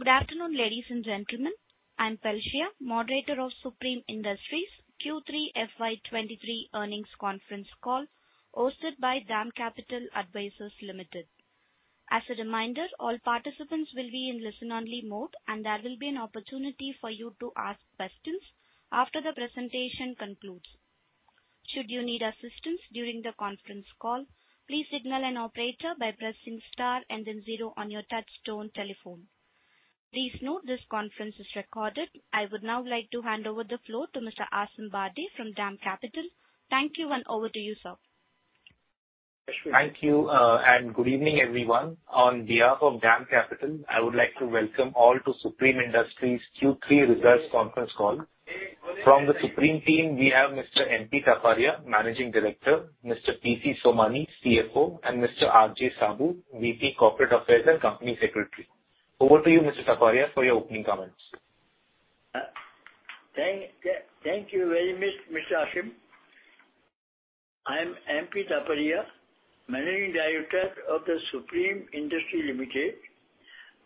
Good afternoon, ladies and gentlemen. I'm Pelcia, moderator of Supreme Industries Q3 FY2023 earnings Conference Call, hosted by DAM Capital Advisors Limited. As a reminder, all participants will be in listen-only mode, and there will be an opportunity for you to ask questions after the presentation concludes. Should you need assistance during the conference call, please signal an operator by pressing star and then zero on your touchtone telephone. Please note this conference is recorded. I would now like to hand over the floor to Mr. Aasim Bardey from DAM Capital. Thank you, and over to you, sir. Thank you, and good evening, everyone. On behalf of DAM Capital, I would like to welcome all to Supreme Industries Q3 results conference call. From the Supreme team, we have Mr. M.P. Taparia, Managing Director, Mr. P.C. Somani, CFO, and Mr. R.J. Sabu, VP Corporate Affairs and Company Secretary. Over to you, Mr. Taparia, for your opening comments. Thank you very much, Mr. Asim. I'm N.P. Taparia, Managing Director of The Supreme Industries Limited.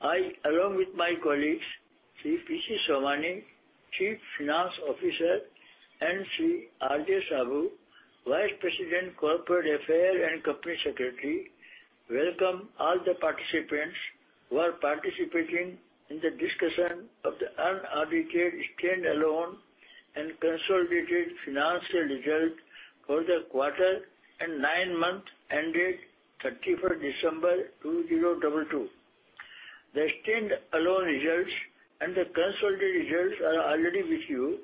I, along with my colleagues, Sri P. C. Somani, Chief Financial Officer, and Sri R.J. Sabu, Vice President Corporate Affairs and Company Secretary, welcome all the participants who are participating in the discussion of the unaudited stand-alone and consolidated financial results for the quarter and 9 months ended 31st December 2022. The stand-alone results and the consolidated results are already with you.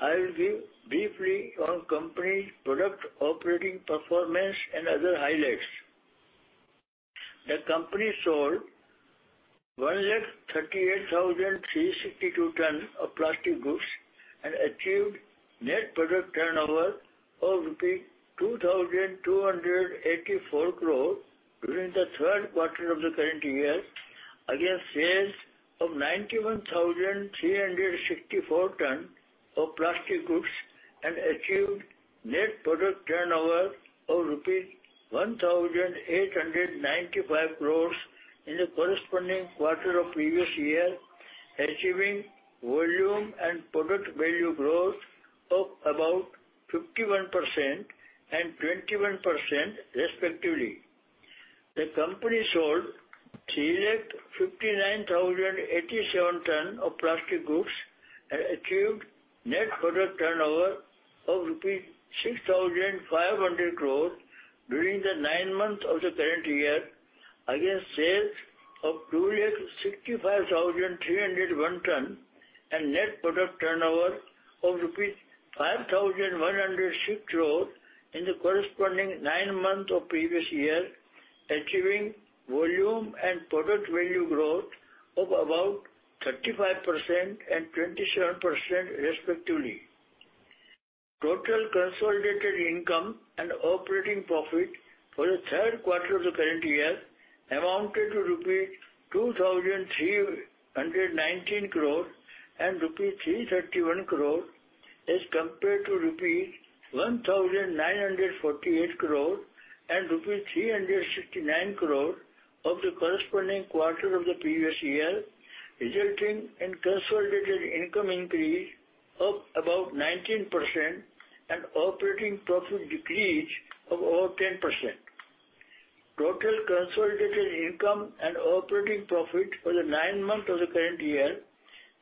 I will give briefly on company product operating performance and other highlights. The company sold 138,362 tons of plastic goods and achieved net product turnover of INR 2,284 crore during the third quarter of the current year against sales of 91,364 tons of plastic goods and achieved net product turnover of INR 1,895 crore in the corresponding quarter of previous year, achieving volume and product value growth of about 51% and 21% respectively. The company sold 359,087 ton of plastic goods and achieved net product turnover of 6,500 crore rupees during the nine month of the current year against sales of 265,301 ton and net product turnover of rupees 5,106 crore in the corresponding nine month of previous year, achieving volume and product value growth of about 35% and 27% respectively. Total consolidated income and operating profit for the third quarter of the current year amounted to rupees 2,319 crore and rupees 331 crore as compared to rupees 1,948 crore and rupees 369 crore of the corresponding quarter of the previous year, resulting in consolidated income increase of about 19% and operating profit decrease of over 10%. Total consolidated income and operating profit for the nine month of the current year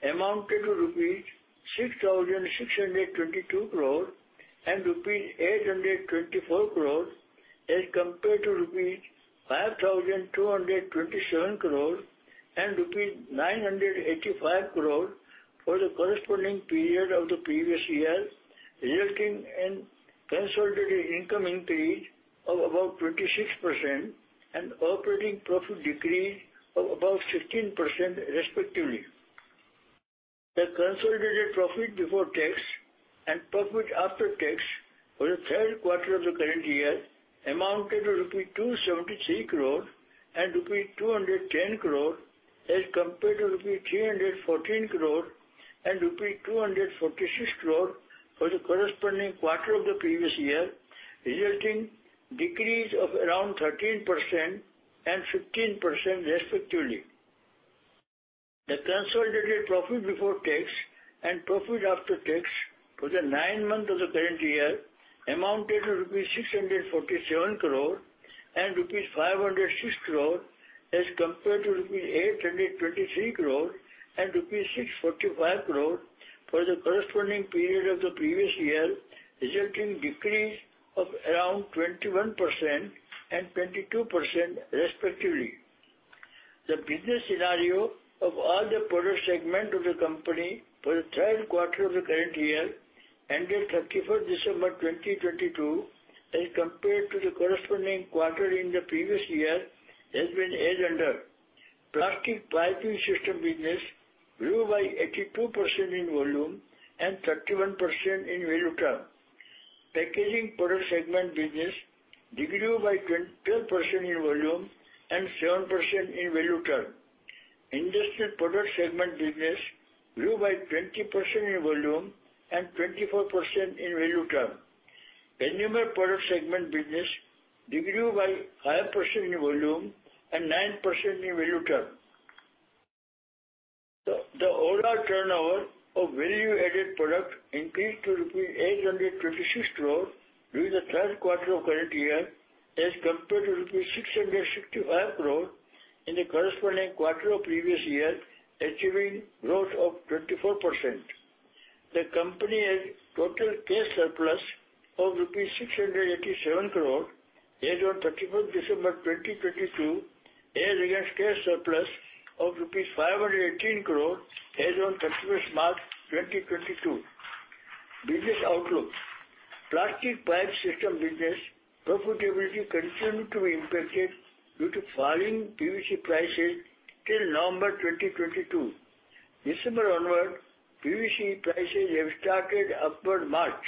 amounted to rupees 6,622 crore and rupees 824 crore as compared to rupees 5,227 crore and rupees 985 crore for the corresponding period of the previous year, resulting in consolidated income increase of about 26% and operating profit decrease of about 15% respectively. The consolidated profit before tax and profit after tax for the third quarter of the current year amounted to rupees 273 crore and rupees 210 crore as compared to rupees 314 crore and rupees 246 crore for the corresponding quarter of the previous year, resulting decrease of around 13% and 15% respectively. The consolidated profit before tax and profit after tax for the nine month of the current year amounted to rupees 647 crore and rupees 506 crore as compared to rupees 823 crore and rupees 645 crore for the corresponding period of the previous year, resulting decrease of around 21% and 22% respectively. The business scenario of all the product segment of the company for the third quarter of the current year ended 31st December 2022, as compared to the corresponding quarter in the previous year, has been as under. Plastic piping system business grew by 82% in volume and 31% in value term. Packaging product segment business de-grew by 12% in volume and 7% in value term. Industrial product segment business grew by 20% in volume and 24% in value term. Enumerable product segment business grew by 5% in volume and 9% in value term. The overall turnover of value-added product increased to rupees 826 crore during the 3rd quarter of current year as compared to rupees 665 crore in the corresponding quarter of previous year, achieving growth of 24%. The company had total cash surplus of 687 crore rupees as on 31st December 2022, as against cash surplus of rupees 518 crore as on 31st March 2022. Business outlook. Plastic pipe system business profitability continued to be impacted due to falling PVC prices till November 2022. December onward, PVC prices have started upward march.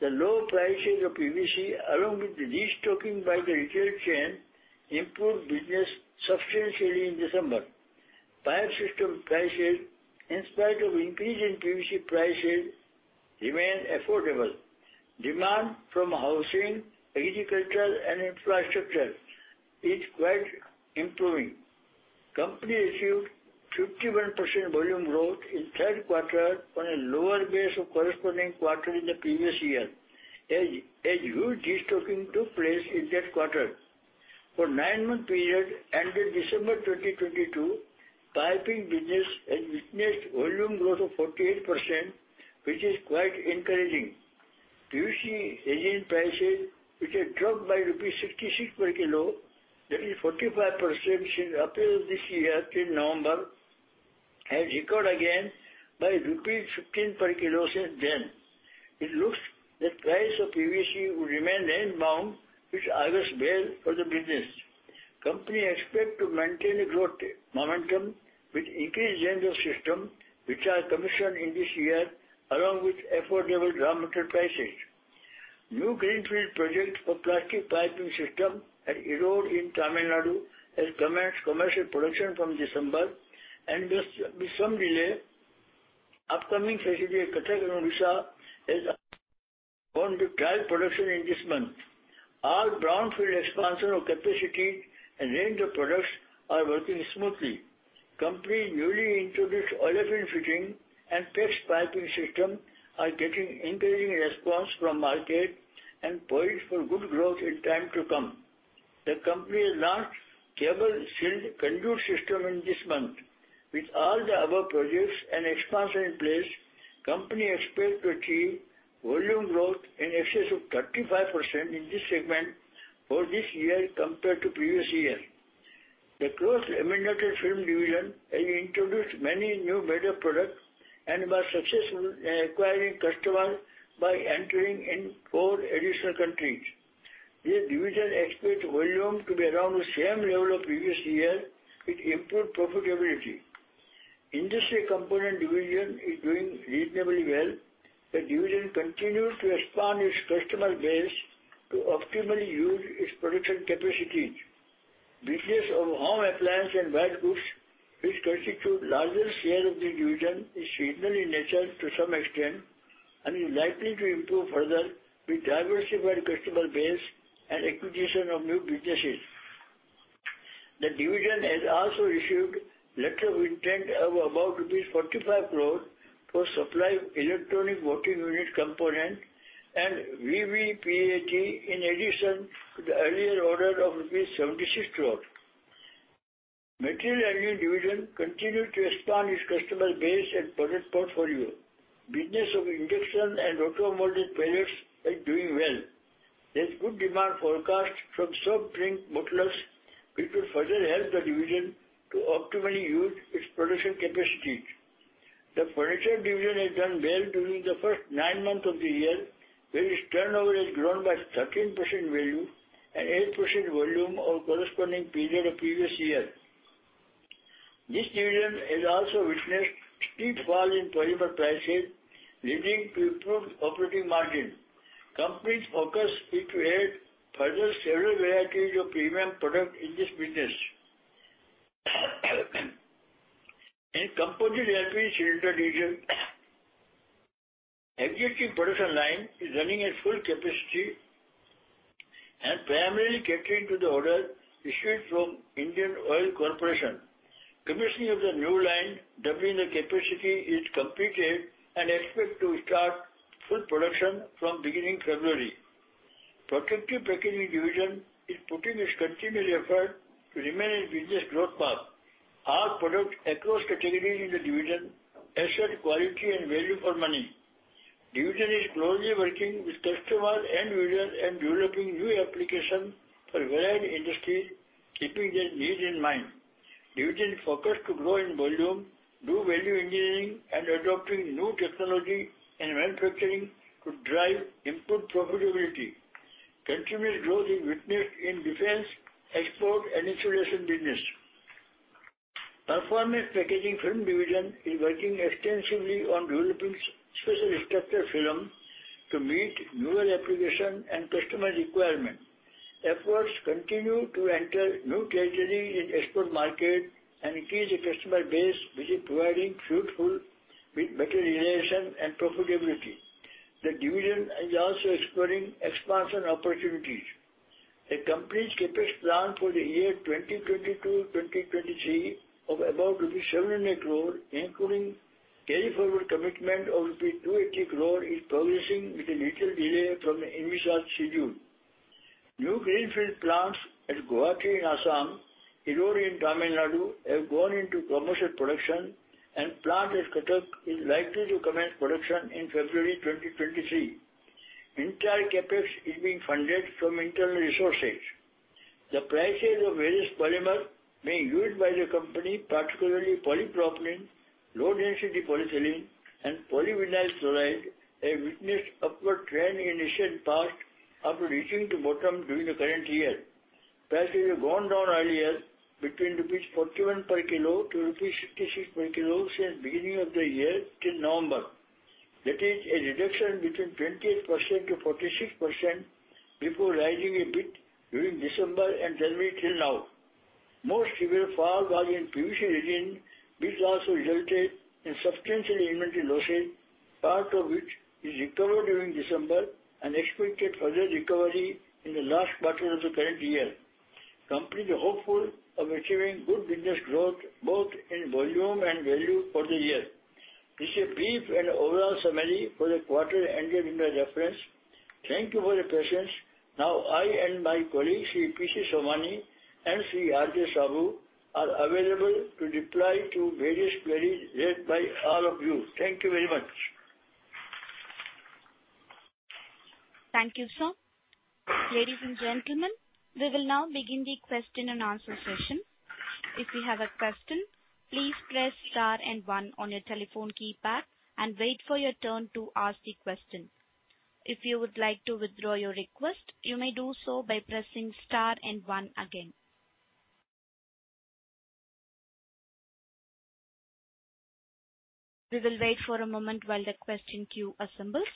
The low prices of PVC, along with the restocking by the retail chain, improved business substantially in December. Pipe system prices, in spite of increase in PVC prices, remain affordable. Demand from housing, agricultural, and infrastructure is quite improving. Company achieved 51% volume growth in third quarter on a lower base of corresponding quarter in the previous year, as huge destocking took place in that quarter. For nine-month period until December 2022, piping business has witnessed volume growth of 48%, which is quite encouraging. PVC resin prices, which had dropped by rupees 66 per kilo, that is 45% since April this year till November, has recovered again by rupees 15 per kilo since then. It looks that price of PVC will remain range-bound, which harbors well for the business. Company expect to maintain a growth rate momentum with increased range of system, which are commissioned in this year, along with affordable raw material prices. New greenfield project for plastic piping system at Erode in Tamil Nadu has commenced commercial production from December and with some delay. Upcoming facility at Cuttack in Odisha has gone to trial production in this month. All brownfield expansion of capacity and range of products are working smoothly. Company newly introduced olefin fitting and PEX piping system are getting encouraging response from market and poised for good growth in time to come. The company has launched cable shield conduit system in this month. With all the above projects and expansion in place, company expect to achieve volume growth in excess of 35% in this segment for this year compared to previous year. The cloth, laminated film division has introduced many new better products and was successful in acquiring customers by entering in four additional countries. This division expects volume to be around the same level of previous year with improved profitability. Industrial component division is doing reasonably well The division continued to expand its customer base to optimally use its production capacities. Business of home appliance and white goods, which constitute largest share of the division, is seasonal in nature to some extent and is likely to improve further with diversified customer base and acquisition of new businesses. The division has also received letter of intent of about rupees 45 crore for supply of electronic voting unit component and VVPAT, in addition to the earlier order of rupees 76 crore. Material handling division continued to expand its customer base and product portfolio. Business of induction and auto molded products is doing well. There's good demand forecast from soft drink bottlers, which will further help the division to optimally use its production capacities. The furniture division has done well during the first nine months of the year, where its turnover has grown by 13% value and 8% volume over corresponding period of previous year. This division has also witnessed steep fall in polymer prices, leading to improved operating margin. Company's focus is to add further several varieties of premium product in this business. In Composite LPG Cylinder division, existing production line is running at full capacity and primarily catering to the order received from Indian Oil Corporation. Commissioning of the new line doubling the capacity is completed and expect to start full production from beginning February. Protective Packaging division is putting its continual effort to remain in business growth path. All products across categories in the division assure quality and value for money. Division is closely working with customers and users and developing new applications for varied industries, keeping their needs in mind. Division focused to grow in volume, do value engineering, and adopting new technology and manufacturing to drive improved profitability. Continued growth is witnessed in defense, export, and insulation business. Performance Packaging Film division is working extensively on developing special structure film to meet newer application and customer requirement. Efforts continue to enter new territories in export market and increase the customer base, which is providing fruitful with better realization and profitability. The division is also exploring expansion opportunities. The company's CapEx plan for the year 2022, 2023 of about rupees 700 crore, including carry forward commitment of rupees 280 crore, is progressing with a little delay from the envisaged schedule. New greenfield plants at Guwahati in Assam, Erode in Tamil Nadu have gone into commercial production. Plant at Cuttack is likely to commence production in February 2023. Entire CapEx is being funded from internal resources. The prices of various polymer being used by the company, particularly polypropylene, low-density polyethylene, and polyvinyl chloride, have witnessed upward trend in recent past after reaching the bottom during the current year. Prices have gone down earlier between rupees 41 per kilo to rupees 66 per kilo since beginning of the year till November. That is a reduction between 28%-46% before rising a bit during December and January till now. Most severe fall was in PVC resin, which also resulted in substantial inventory losses, part of which is recovered during December and expected further recovery in the last quarter of the current year. Company is hopeful of achieving good business growth both in volume and value for the year. This is a brief and overall summary for the quarter ended in the reference. Thank you for your patience. Now, I and my colleagues, Sri P.C. Somani and Sri R.J. Sabu, are available to reply to various queries raised by all of you. Thank you very much. Thank you, sir. Ladies and gentlemen, we will now begin the question and answer session. If you have a question, please press star and one on your telephone keypad and wait for your turn to ask the question. If you would like to withdraw your request, you may do so by pressing star and one again. We will wait for a moment while the question queue assembles.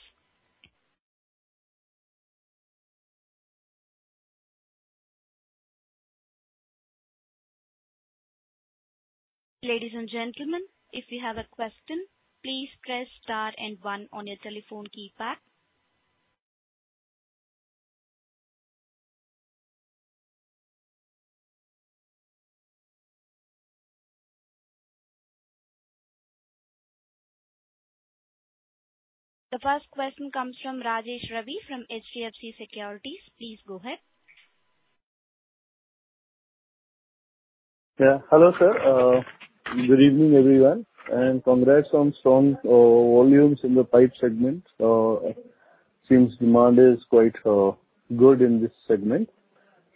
Ladies and gentlemen, if you have a question, please press star and one on your telephone keypad. The first question comes from Rajesh Ravi from HDFC Securities. Please go ahead. Yeah. Hello, sir. Good evening, everyone, and congrats on strong volumes in the pipe segment. Seems demand is quite good in this segment.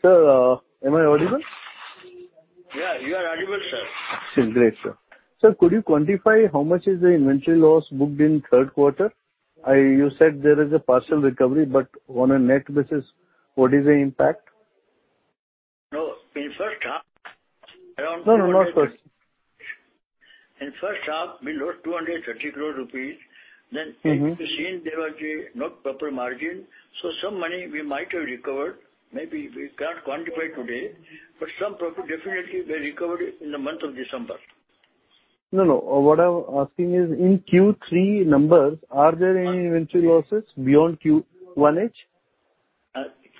Sir, am I audible? Yeah, you are audible, sir. Great, sir. Sir, could you quantify how much is the inventory loss booked in third quarter? You said there is a partial recovery, but on a net basis, what is the impact? No, in first half, around- No, no, not first. In first half, we lost 230 crore rupees. Mm-hmm. Since there was not proper margin, so some money we might have recovered. Maybe we can't quantify today, but some profit definitely we recovered in the month of December. No, no. What I'm asking is in Q3 numbers, are there any inventory losses beyond Q1 edge?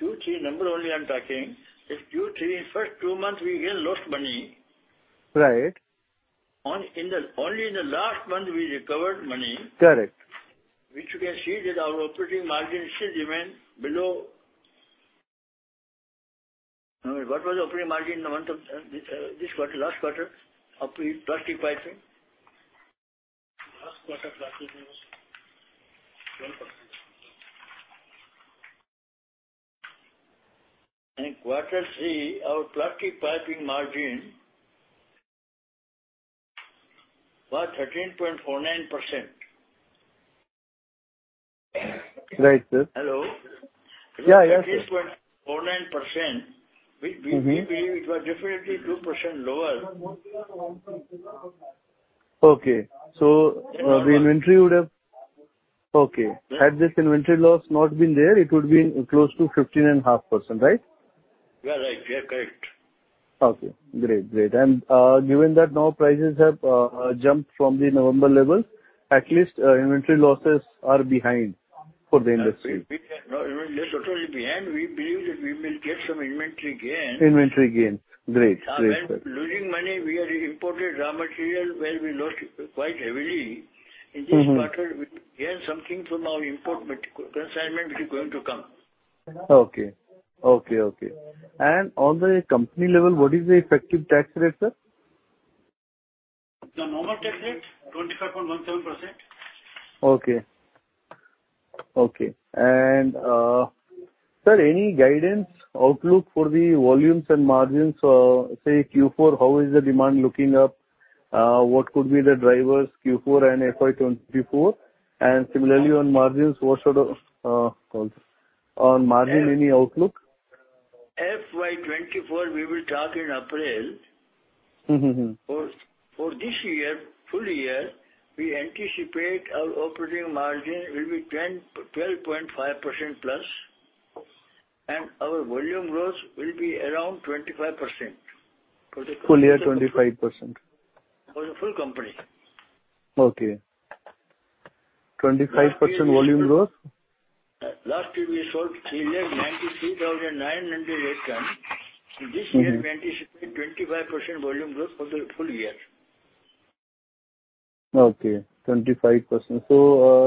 Q3 number only I'm talking. In Q3, first two months we real lost money. Right. Only in the last month we recovered money. Correct. You can see that our operating margin still remain below. What was the operating margin in the month of this quarter, last quarter of plastic piping? Last quarter plastic was 12 point something. In quarter three, our plastic piping margin was 13.49%. Right, sir. Hello? Yeah, yeah. Thirteen point four nine percent. Mm-hmm. We believe it was definitely 2% lower. Okay. Had this inventory loss not been there, it would be close to 15.5%, right? You are right. You are correct. Okay. Great. Great. Given that now prices have jumped from the November level, at least, inventory losses are behind for the industry. No, inventory loss totally behind. We believe that we will get some inventory gains. Inventory gains. Great. Great. When losing money, we are imported raw material where we lost quite heavily. Mm-hmm. In this quarter, we gain something from our import consignment, which is going to come. Okay. On the company level, what is the effective tax rate, sir? The normal tax rate, 25.17%. Okay. Okay. sir, any guidance outlook for the volumes and margins for, say, Q4? How is the demand looking up? what could be the drivers Q4 and FY 2024? similarly, on margins, any outlook? FY 2024, we will talk in April. For this year, full year, we anticipate our operating margin will be 12.5%+, and our volume growth will be around 25%. Full year, 25%. For the full company. Okay. 25% volume growth. Last year we sold 393,908 tons. This year we anticipate 25% volume growth for the full year. Okay, 25%.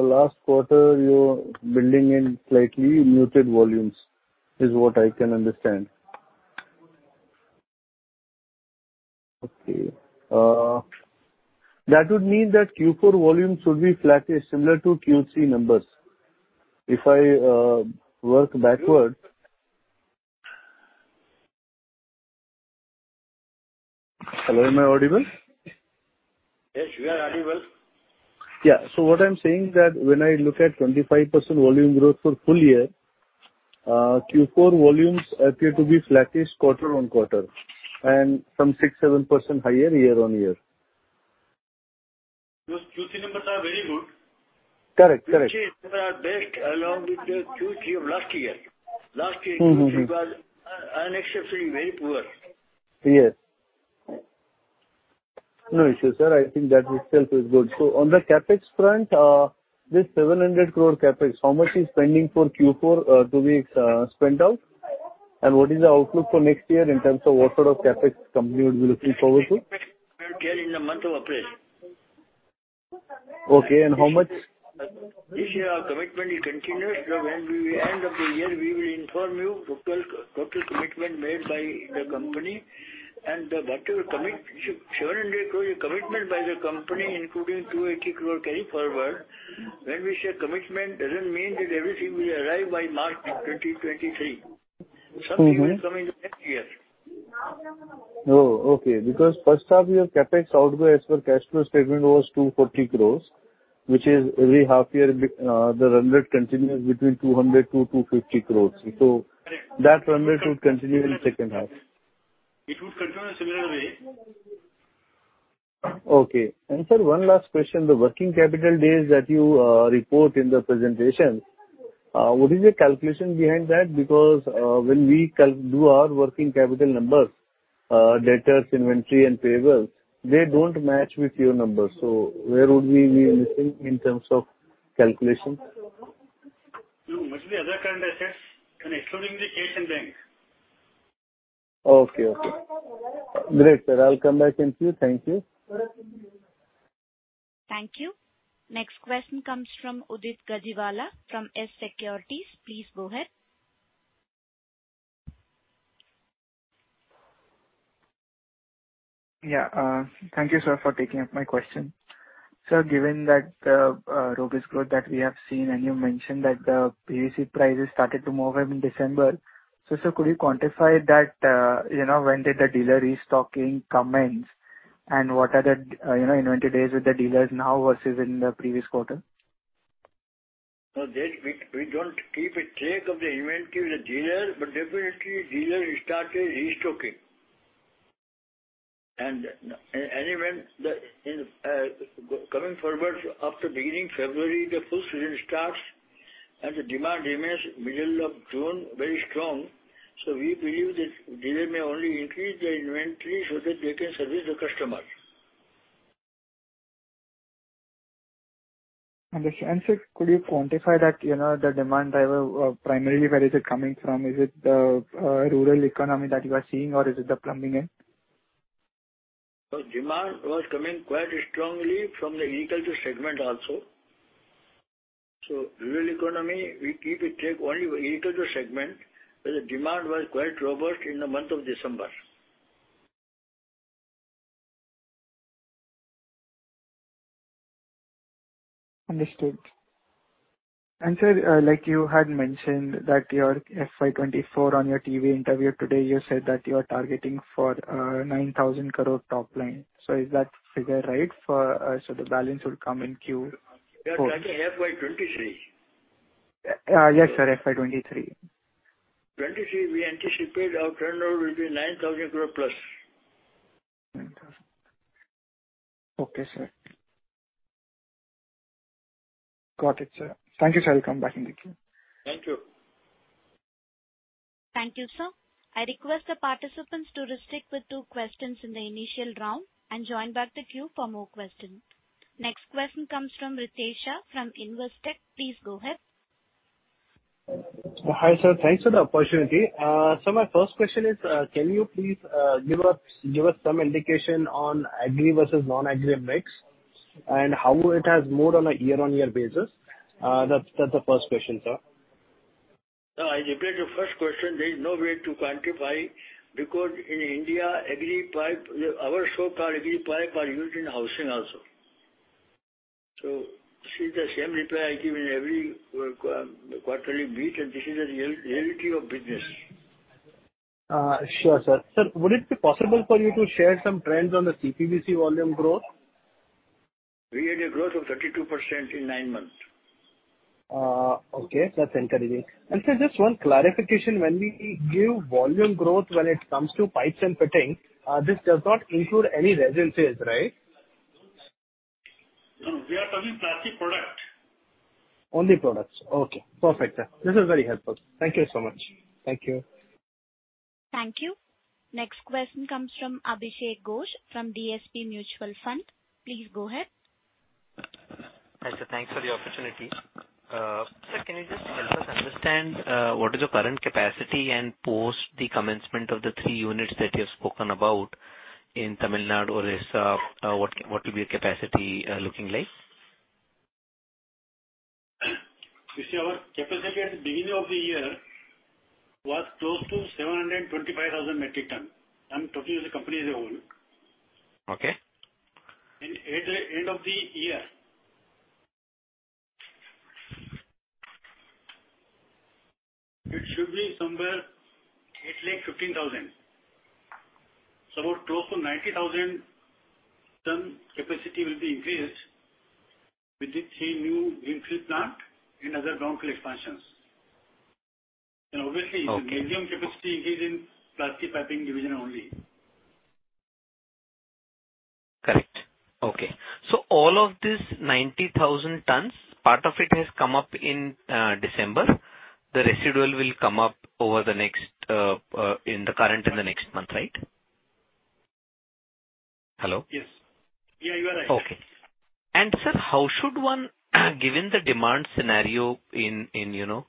Last quarter you're building in slightly muted volumes, is what I can understand. Okay, that would mean that Q4 volumes should be flattish, similar to Q3 numbers. If I, work backward. Hello, am I audible? Yes, you are audible. Yeah. what I'm saying that when I look at 25% volume growth for full year, Q4 volumes appear to be flattish quarter-on-quarter and some 6%-7% higher year-on-year. Q3 numbers are very good. Correct. Correct. Q3 numbers are best along with the Q3 of last year. Mm-hmm. Q3 was unacceptably very poor. Yes. No issue, sir. I think that itself is good. On the CapEx front, this 700 crore CapEx, how much is pending for Q4 to be spent out? What is the outlook for next year in terms of what sort of CapEx company would be looking forward to? In the month of April. Okay, and how much? This year our commitment is continuous. When we end of the year, we will inform you total commitment made by the company. 700 crore is commitment by the company, including 280 crore carry forward. When we say commitment, doesn't mean that everything will arrive by March 2023. Mm-hmm. Some will come in next year. Oh, okay, because first half your CapEx outflow as per cash flow statement was 240 crores, which is every half year, the run rate continues between 200-250 crores. That run rate will continue in second half. It will continue in similar way. Okay. Sir, one last question. The working capital days that you report in the presentation, what is the calculation behind that? When we do our working capital numbers, debtors, inventory and payables, they don't match with your numbers. Where would we be missing in terms of calculation? No, match the other current assets and excluding the cash in bank. Okay. Okay. Great, sir. I'll come back in queue. Thank you. Thank you. Next question comes from Udit Gadiwala from Securities. Please go ahead. Yeah. Thank you, sir, for taking up my question. Sir, given that, robust growth that we have seen, and you mentioned that the PVC prices started to move up in December. Sir, could you quantify that, you know, when did the dealer restocking commence, and what are the, you know, inventory days with the dealers now versus in the previous quarter? No, we don't keep a track of the inventory with the dealer, but definitely dealer started restocking. Even the coming forward after beginning February, the full season starts and the demand remains middle of June, very strong. We believe the dealer may only increase their inventory so that they can service the customer. Understood. sir, could you quantify that, you know, the demand driver, primarily where is it coming from? Is it the rural economy that you are seeing or is it the plumbing end? The demand was coming quite strongly from the agriculture segment also. Rural economy, we keep a track only for agriculture segment, where the demand was quite robust in the month of December. Understood. Sir, like you had mentioned that your FY 2024 on your TV interview today, you said that you are targeting for 9,000 crore top line. Is that figure right for, so the balance will come in Q4? We are targeting FY 2023. Yes, sir. FY 2023. 2023, we anticipate our turnover will be 9,000+ crore. 9,000. Okay, sir. Got it, sir. Thank you, sir. I'll come back in the queue. Thank you. Thank you, sir. I request the participants to restrict with two questions in the initial round and join back the queue for more questions. Next question comes from Ritesh Shah from Investec. Please go ahead. Hi, sir. Thanks for the opportunity. My first question is, can you please give us some indication on agri versus non-agri mix and how it has moved on a year-on-year basis? That's the first question, sir. No, I repeat the first question. There is no way to quantify because in India, agri pipe, our also or agri pipe are used in housing also. This is the same reply I give in every quarterly meet, and this is the reality of business. Sure, sir. Sir, would it be possible for you to share some trends on the CPVC volume growth? We had a growth of 32% in nine months. Okay. That's encouraging. Sir, just one clarification. When we give volume growth, when it comes to pipes and fittings, this does not include any resin sales, right? No. We are talking plastic product. Only products. Okay. Perfect, sir. This is very helpful. Thank you so much. Thank you. Thank you. Next question comes from Abhishek Ghosh from DSP Mutual Fund. Please go ahead. Hi, sir. Thanks for the opportunity. Sir, can you just help us understand what is the current capacity and post the commencement of the three units that you have spoken about in Tamil Nadu, Orissa, what will be your capacity looking like? You see, our capacity at the beginning of the year was close to 725,000 metric ton, and total the company they own. Okay. In at the end of the year, it should be somewhere it's like 15,000. Close to 90,000 ton capacity will be increased with the three new greenfield plant and other brownfield expansions. Obviously. Okay. The medium capacity increase in plastic piping division only. Correct. Okay. All of this 90,000 tons, part of it has come up in December. The residual will come up over the next, in the current and the next month, right? Hello? Yes. Yeah, you are right. Okay. Sir, how should one given the demand scenario in, you know,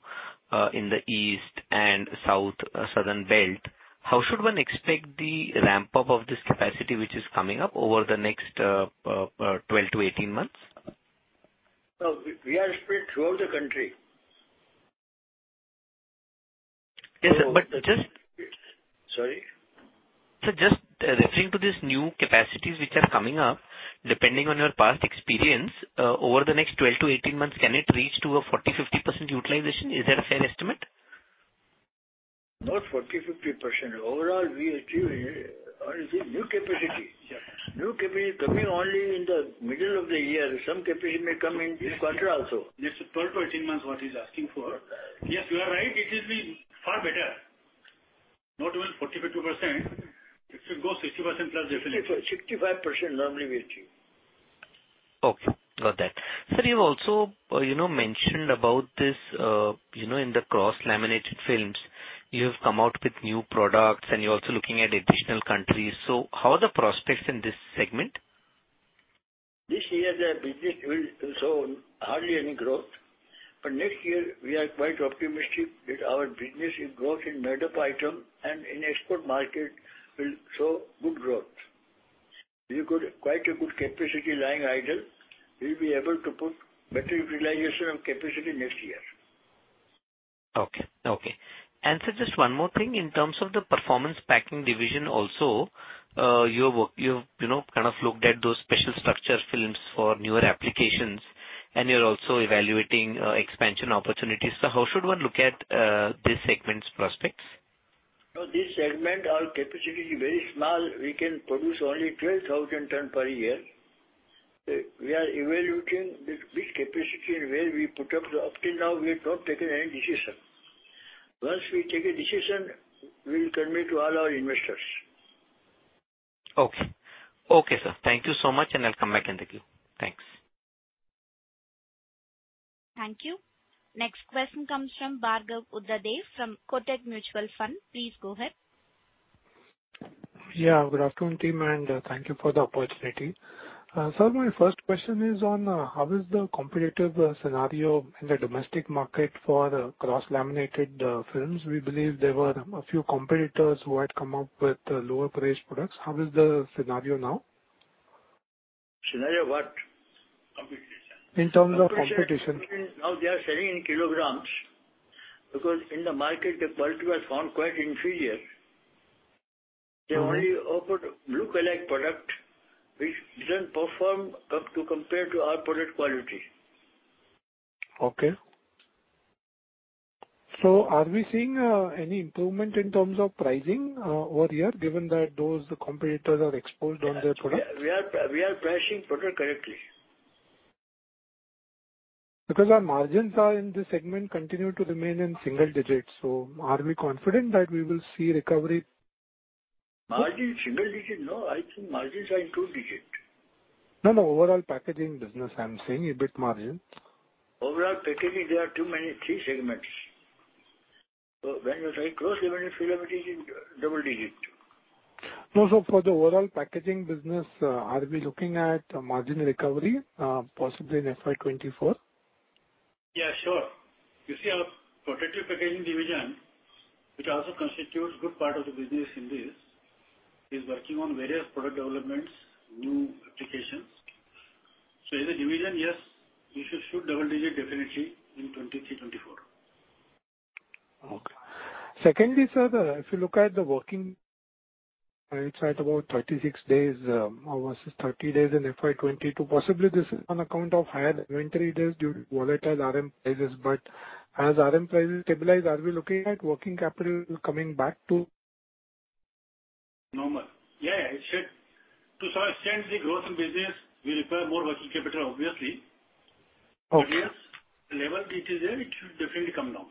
in the east and south southern belt, how should one expect the ramp-up of this capacity which is coming up over the next 12 -18 months? Well, we are spread throughout the country. Yes, sir. Sorry? Sir, just referring to these new capacities which are coming up, depending on your past experience, over the next 12-18 months, can it reach to a 40%, 50% utilization? Is that a fair estimate? Not 40%, 50%. Overall, we achieve, or is it new capacity? Yes. New capacity coming only in the middle of the year. Some capacity may come in this quarter also. This 12-18 months, what he's asking for. Yes, you are right. It will be far better. Not even 40%-50%. It should go 60%+ definitely. 65% normally we achieve. Okay. Got that. Sir, you've also, you know, mentioned about this, you know, in the cross-laminated films, you have come out with new products and you're also looking at additional countries. How are the prospects in this segment? This year, the business will show hardly any growth. Next year we are quite optimistic that our business will grow in made up item and in export market will show good growth. We've got quite a good capacity lying idle. We'll be able to put better utilization of capacity next year. Okay. Okay. Sir, just one more thing. In terms of the performance packing division also, you've, you know, kind of looked at those special structure films for newer applications and you're also evaluating, expansion opportunities. How should one look at, this segment's prospects? No, this segment, our capacity is very small. We can produce only 12,000 ton per year. We are evaluating which capacity and where we put up. Up till now, we have not taken any decision. Once we take a decision, we will commit to all our investors. Okay. Okay, sir. Thank you so much, and I'll come back and thank you. Thanks. Thank you. Next question comes from Bhargav Buddhadev from Kotak Mutual Fund. Please go ahead. Yeah, good afternoon, team, and thank you for the opportunity. Sir, my first question is on how is the competitive scenario in the domestic market for cross-laminated films? We believe there were a few competitors who had come up with lower priced products. How is the scenario now? Scenario what? Competition. In terms of competition. Competition. Now they are selling in kilograms because in the market the quality was found quite inferior. Uh-huh. They only offered look-alike product which doesn't perform up to compare to our product quality. Okay. Are we seeing any improvement in terms of pricing over here, given that those competitors are exposed on their products? We are pricing product correctly. Our margins are in this segment continue to remain in single digits. Are we confident that we will see recovery? Margin single digit? No, I think margins are in two digit. No, no. Overall packaging business, I'm saying EBIT margin. Overall packaging, there are too many, three segments. When you say cross-laminated film, it is in double digit. No, for the overall packaging business, are we looking at a margin recovery, possibly in FY 2024? Yeah, sure. You see our protective packaging division, which also constitutes good part of the business in this, is working on various product developments, new applications. As a division, yes, we should show double digit definitely in 2023, 2024. Okay. Secondly, sir, if you look at the working, it's at about 36 days, or was it 30 days in FY 2022. Possibly this is on account of higher inventory days due to volatile RM prices. As RM prices stabilize, are we looking at working capital coming back to- Normal. Yeah, it should. To some extent, the growth in business will require more working capital, obviously. Okay. Yes, the level it is there, it should definitely come down.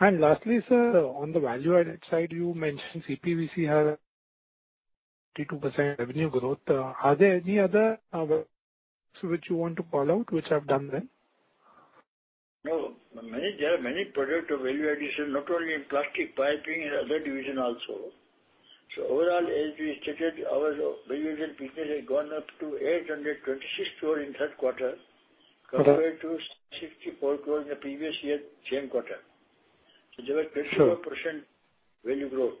Lastly, sir, on the value added side, you mentioned CPVC had 32% revenue growth? Are there any other which you want to call out which have done well? No. There are many product of value addition, not only in plastic piping, in other division also. Overall, as we stated, our value addition business has gone up to 826 crore in third quarter. Okay. compared to 64 crore in the previous year, same quarter. Sure. There was 54% value growth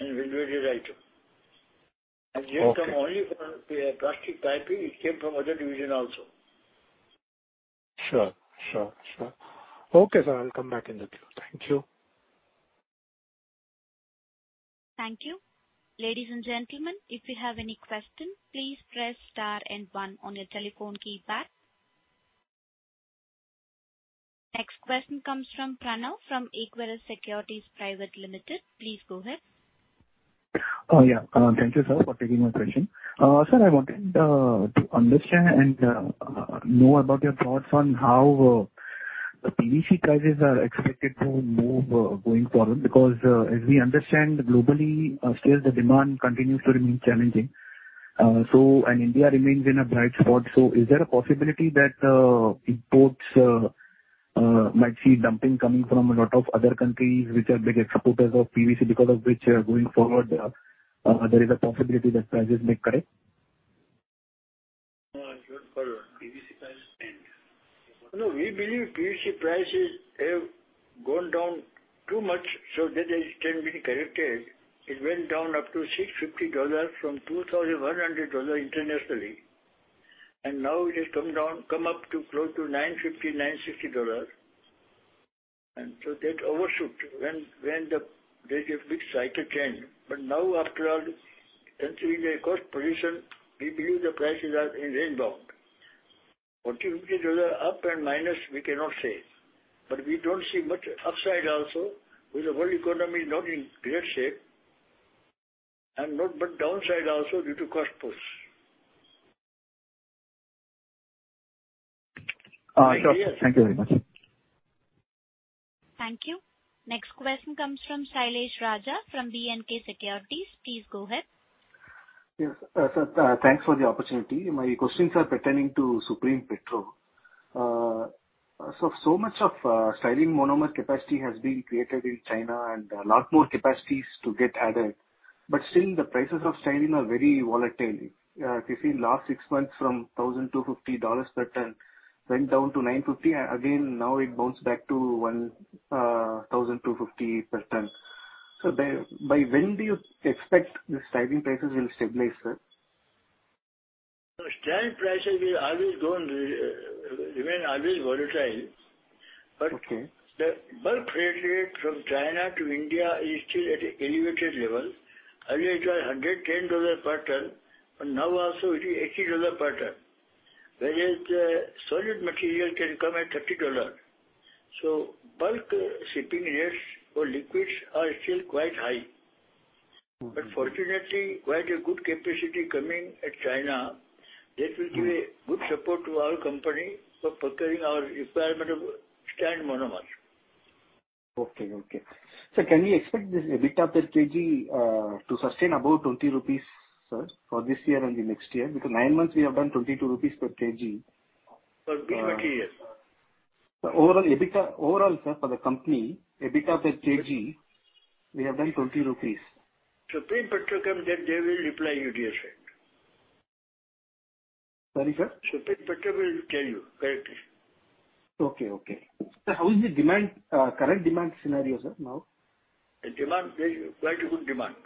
in value-added item. Okay. Didn't come only from plastic piping. It came from other division also. Sure. Sure. Sure. Okay, sir. I'll come back in the queue. Thank you. Thank you. Ladies and gentlemen, if you have any question, please press star and one on your telephone keypad. Next question comes from Pranav from Equirus Securities Private Limited. Please go ahead. Oh, yeah. Thank you, sir, for taking my question. Sir, I wanted to understand and know about your thoughts on how the PVC prices are expected to move going forward. Because as we understand, globally, still the demand continues to remain challenging. India remains in a bright spot. Is there a possibility that imports might see dumping coming from a lot of other countries which are big exporters of PVC because of which going forward there is a possibility that prices may correct? Sorry, PVC prices and we believe PVC prices have gone down too much so that it can be corrected. It went down up to $650 from $2,100 internationally. Now it has come up to close to $950-$960. That overshoot when the, there's a big cycle change. Now after all, entering the cost position, we believe the prices are in range bound. $40-$50 up and minus, we cannot say. We don't see much upside also with the world economy not in great shape, but downside also due to cost push. Sure. Thank you very much. Thank you. Next question comes from Sailesh Raj from BNK Securities. Please go ahead. Yes. Sir, thanks for the opportunity. My questions are pertaining to Supreme Petro. So much of styrene monomer capacity has been created in China and a lot more capacities to get added, but still the prices of styrene are very volatile. If you see last six months from $1,250 per ton went down to $950. Again, now it bounced back to $1,250 per ton. By when do you expect the styrene prices will stabilize, sir? Styrene prices will always go and remain always volatile. Okay. The bulk freight rate from China to India is still at a elevated level. Earlier it was $110 per ton, but now also it is $80 dollar per ton. Whereas solid material can come at $30 dollar. Bulk shipping rates for liquids are still quite high. Mm-hmm. Fortunately, quite a good capacity coming at China. That will give a good support to our company for procuring our requirement of styrene monomers. Okay. Okay. Sir, can we expect this EBITDA per kg to sustain above 20 rupees, sir, for this year and the next year? Because nine months we have done 22 rupees per kg. Per kg material. The overall EBITDA, overall, sir, for the company, EBITDA per kg, we have done 20 rupees. Supreme Petrochem, then they will reply you, dear friend. Sorry, sir? Supreme Petro will tell you correctly. Okay. Okay. Sir, how is the demand, current demand scenario, sir, now? The demand very, quite a good demand.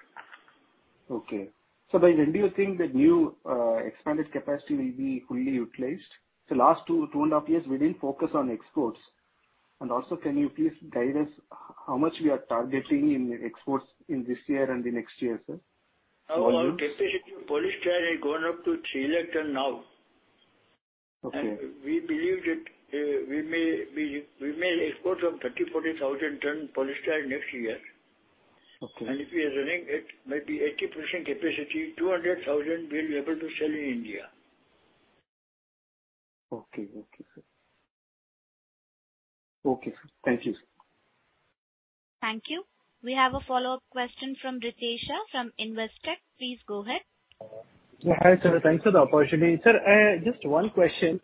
Okay. By when do you think the new expanded capacity will be fully utilized? Last two and a half years, we didn't focus on exports. Also can you please guide us how much we are targeting in exports in this year and the next year, sir? Volumes. Our capacity of polystyrene has gone up to three lakh ton now. Okay. We believe that, we may export some 30,000-40,000 tons polystyrene next year. Okay. If we are running at maybe 80% capacity, 200,000 we'll be able to sell in India. Okay. Okay, sir. Okay, sir. Thank you. Thank you. We have a follow-up question from Ritesh from Investec. Please go ahead. Yeah, hi, sir. Thanks for the opportunity. Sir, just one question.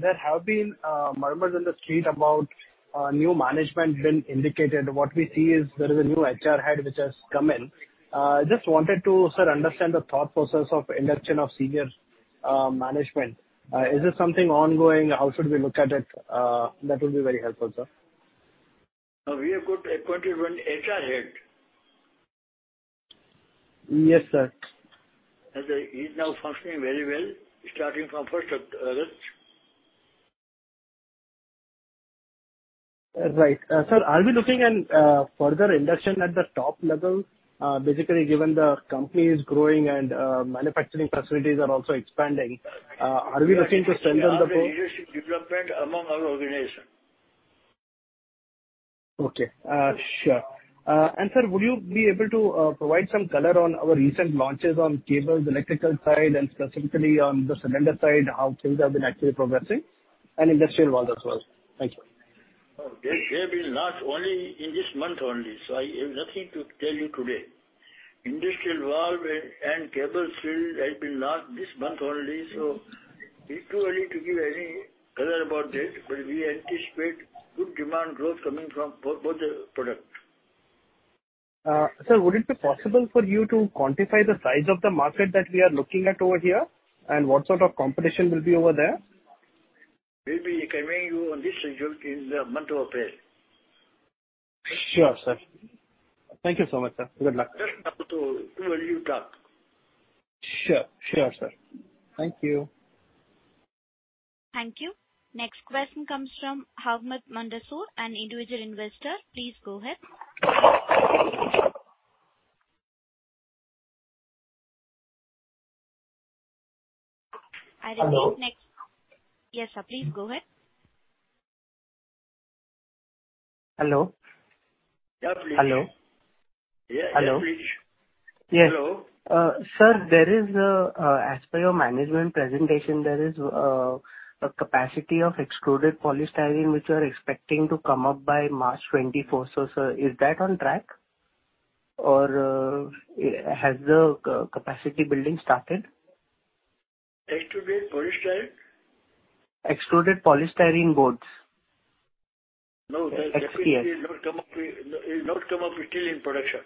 There have been murmurs in the street about new management been indicated. What we see is there is a new HR head which has come in. Just wanted to, sir, understand the thought process of induction of senior management. Is this something ongoing? How should we look at it? That would be very helpful, sir. We have got appointed 1 HR head. Yes, sir. He's now functioning very well starting from first of August. Right. Sir, are we looking in, further induction at the top level? Basically given the company is growing and, manufacturing facilities are also expanding, are we looking to strengthen the core? We are having leadership development among our organization. Okay. Sure. Sir, would you be able to provide some color on our recent launches on cables, electrical side, and specifically on the cylinder side, how things have been actually progressing and industrial valve as well? Thank you. Oh, they will launch only in this month only. I have nothing to tell you today. Industrial valve and Cable shield has been launched this month only. It's too early to give any color about this. We anticipate good demand growth coming from both the product. Sir, would it be possible for you to quantify the size of the market that we are looking at over here and what sort of competition will be over there? We'll be conveying you on this schedule in the month of April. Sure, sir. Thank you so much, sir. Good luck. Too early to talk. Sure. Sure, sir. Thank you. Thank you. Next question comes from Hemant Manduskar, an individual investor. Please go ahead. Yes, sir. Please go ahead. Hello? Yeah, please. Hello? Yeah. Hello. Please. Yes. Hello. Sir, as per your management presentation, there is a capacity of Extruded Polystyrene which you are expecting to come up by March 2024. Sir, is that on track or has the capacity building started? Extruded Polystyrene? Extruded Polystyrene Boards. No. EPS. That factory will not come up, it'll not come up until in production.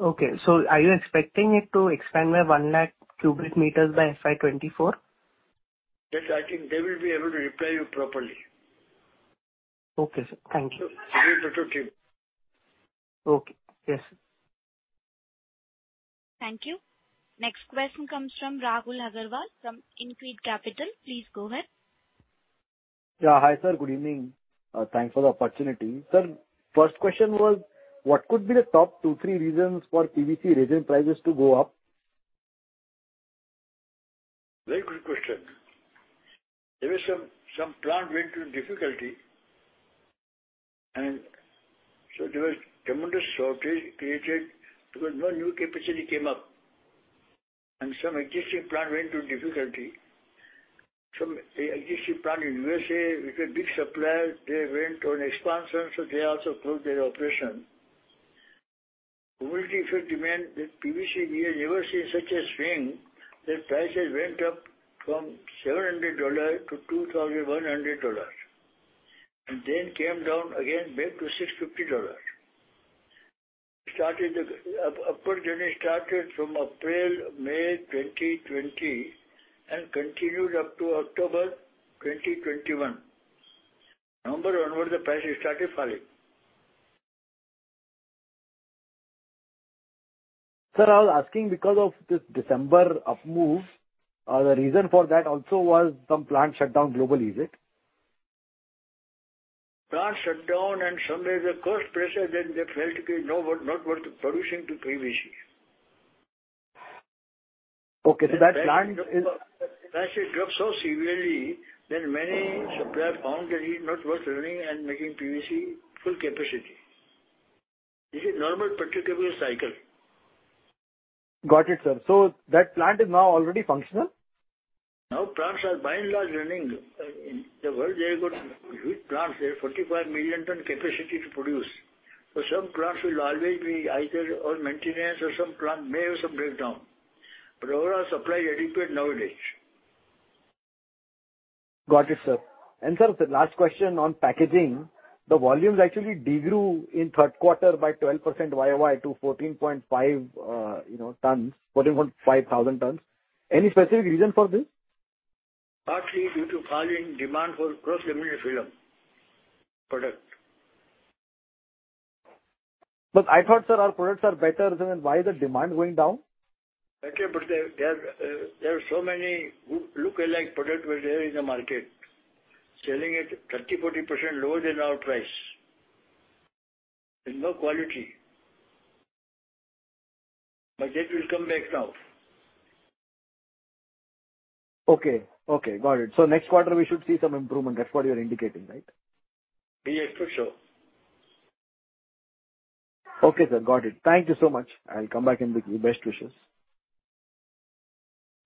Okay. Are you expecting it to expand by one lac cubic meters by FY 2024? That I think they will be able to reply you properly. Okay, sir. Thank you. Speak to the team. Okay. Yes. Thank you. Next question comes from Rahul Agarwal from 增益 Capital. Please go ahead. Yeah. Hi sir. Good evening. Thanks for the opportunity. Sir, first question was what could be the top two, three reasons for PVC resin prices to go up? Very good question. There was some plant went through difficulty and so there was tremendous shortage created because no new capacity came up and some existing plant went through difficulty. Some existing plant in U.S.A., it was a big supplier. They went on expansion, so they also closed their operation. Cumulatively for demand, the PVC we have never seen such a swing that prices went up from $700 to $2,100, and then came down again back to $650. Up journey started from April/May 2020 and continued up to October 2021. November onward the prices started falling. Sir, I was asking because of this December up move, the reason for that also was some plant shutdown globally, is it? Plant shutdown and somewhere the cost pressure, then they felt, okay, no worth, not worth producing to PVC. Okay. That plant. Prices dropped so severely that many supplier found that it's not worth running and making PVC full capacity. This is normal petrochemical cycle. Got it, sir. That plant is now already functional? Plants are by and large running. In the world there are good huge plants. There are 45 million ton capacity to produce. Some plants will always be either on maintenance or some plant may have some breakdown. Overall supply adequate nowadays. Got it, sir. Sir, the last question on packaging, the volumes actually degrew in third quarter by 12% YOY to 14.5, you know, tons, 14,500 tons. Any specific reason for this? Partly due to falling demand for cross-linked linear film product. I thought, sir, our products are better. Why is the demand going down? Better, there are so many look-alike product were there in the market selling at 30%, 40% lower than our price. There's no quality. That will come back now. Okay. Okay. Got it. Next quarter we should see some improvement. That's what you're indicating, right? Be it for sure. Okay sir. Got it. Thank you so much. I'll come back in the. Best wishes.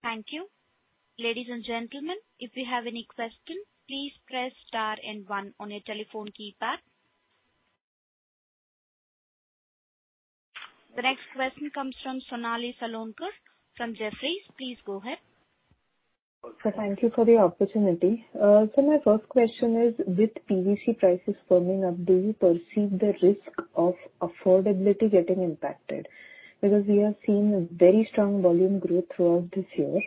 Thank you. Ladies and gentlemen, if you have any question, please press star and one on your telephone keypad. The next question comes from Sonali Salgaonkar from Jefferies. Please go ahead. Sir, thank you for the opportunity. Sir, my first question is, with PVC prices firming up, do you perceive the risk of affordability getting impacted? We are seeing a very strong volume growth throughout this year,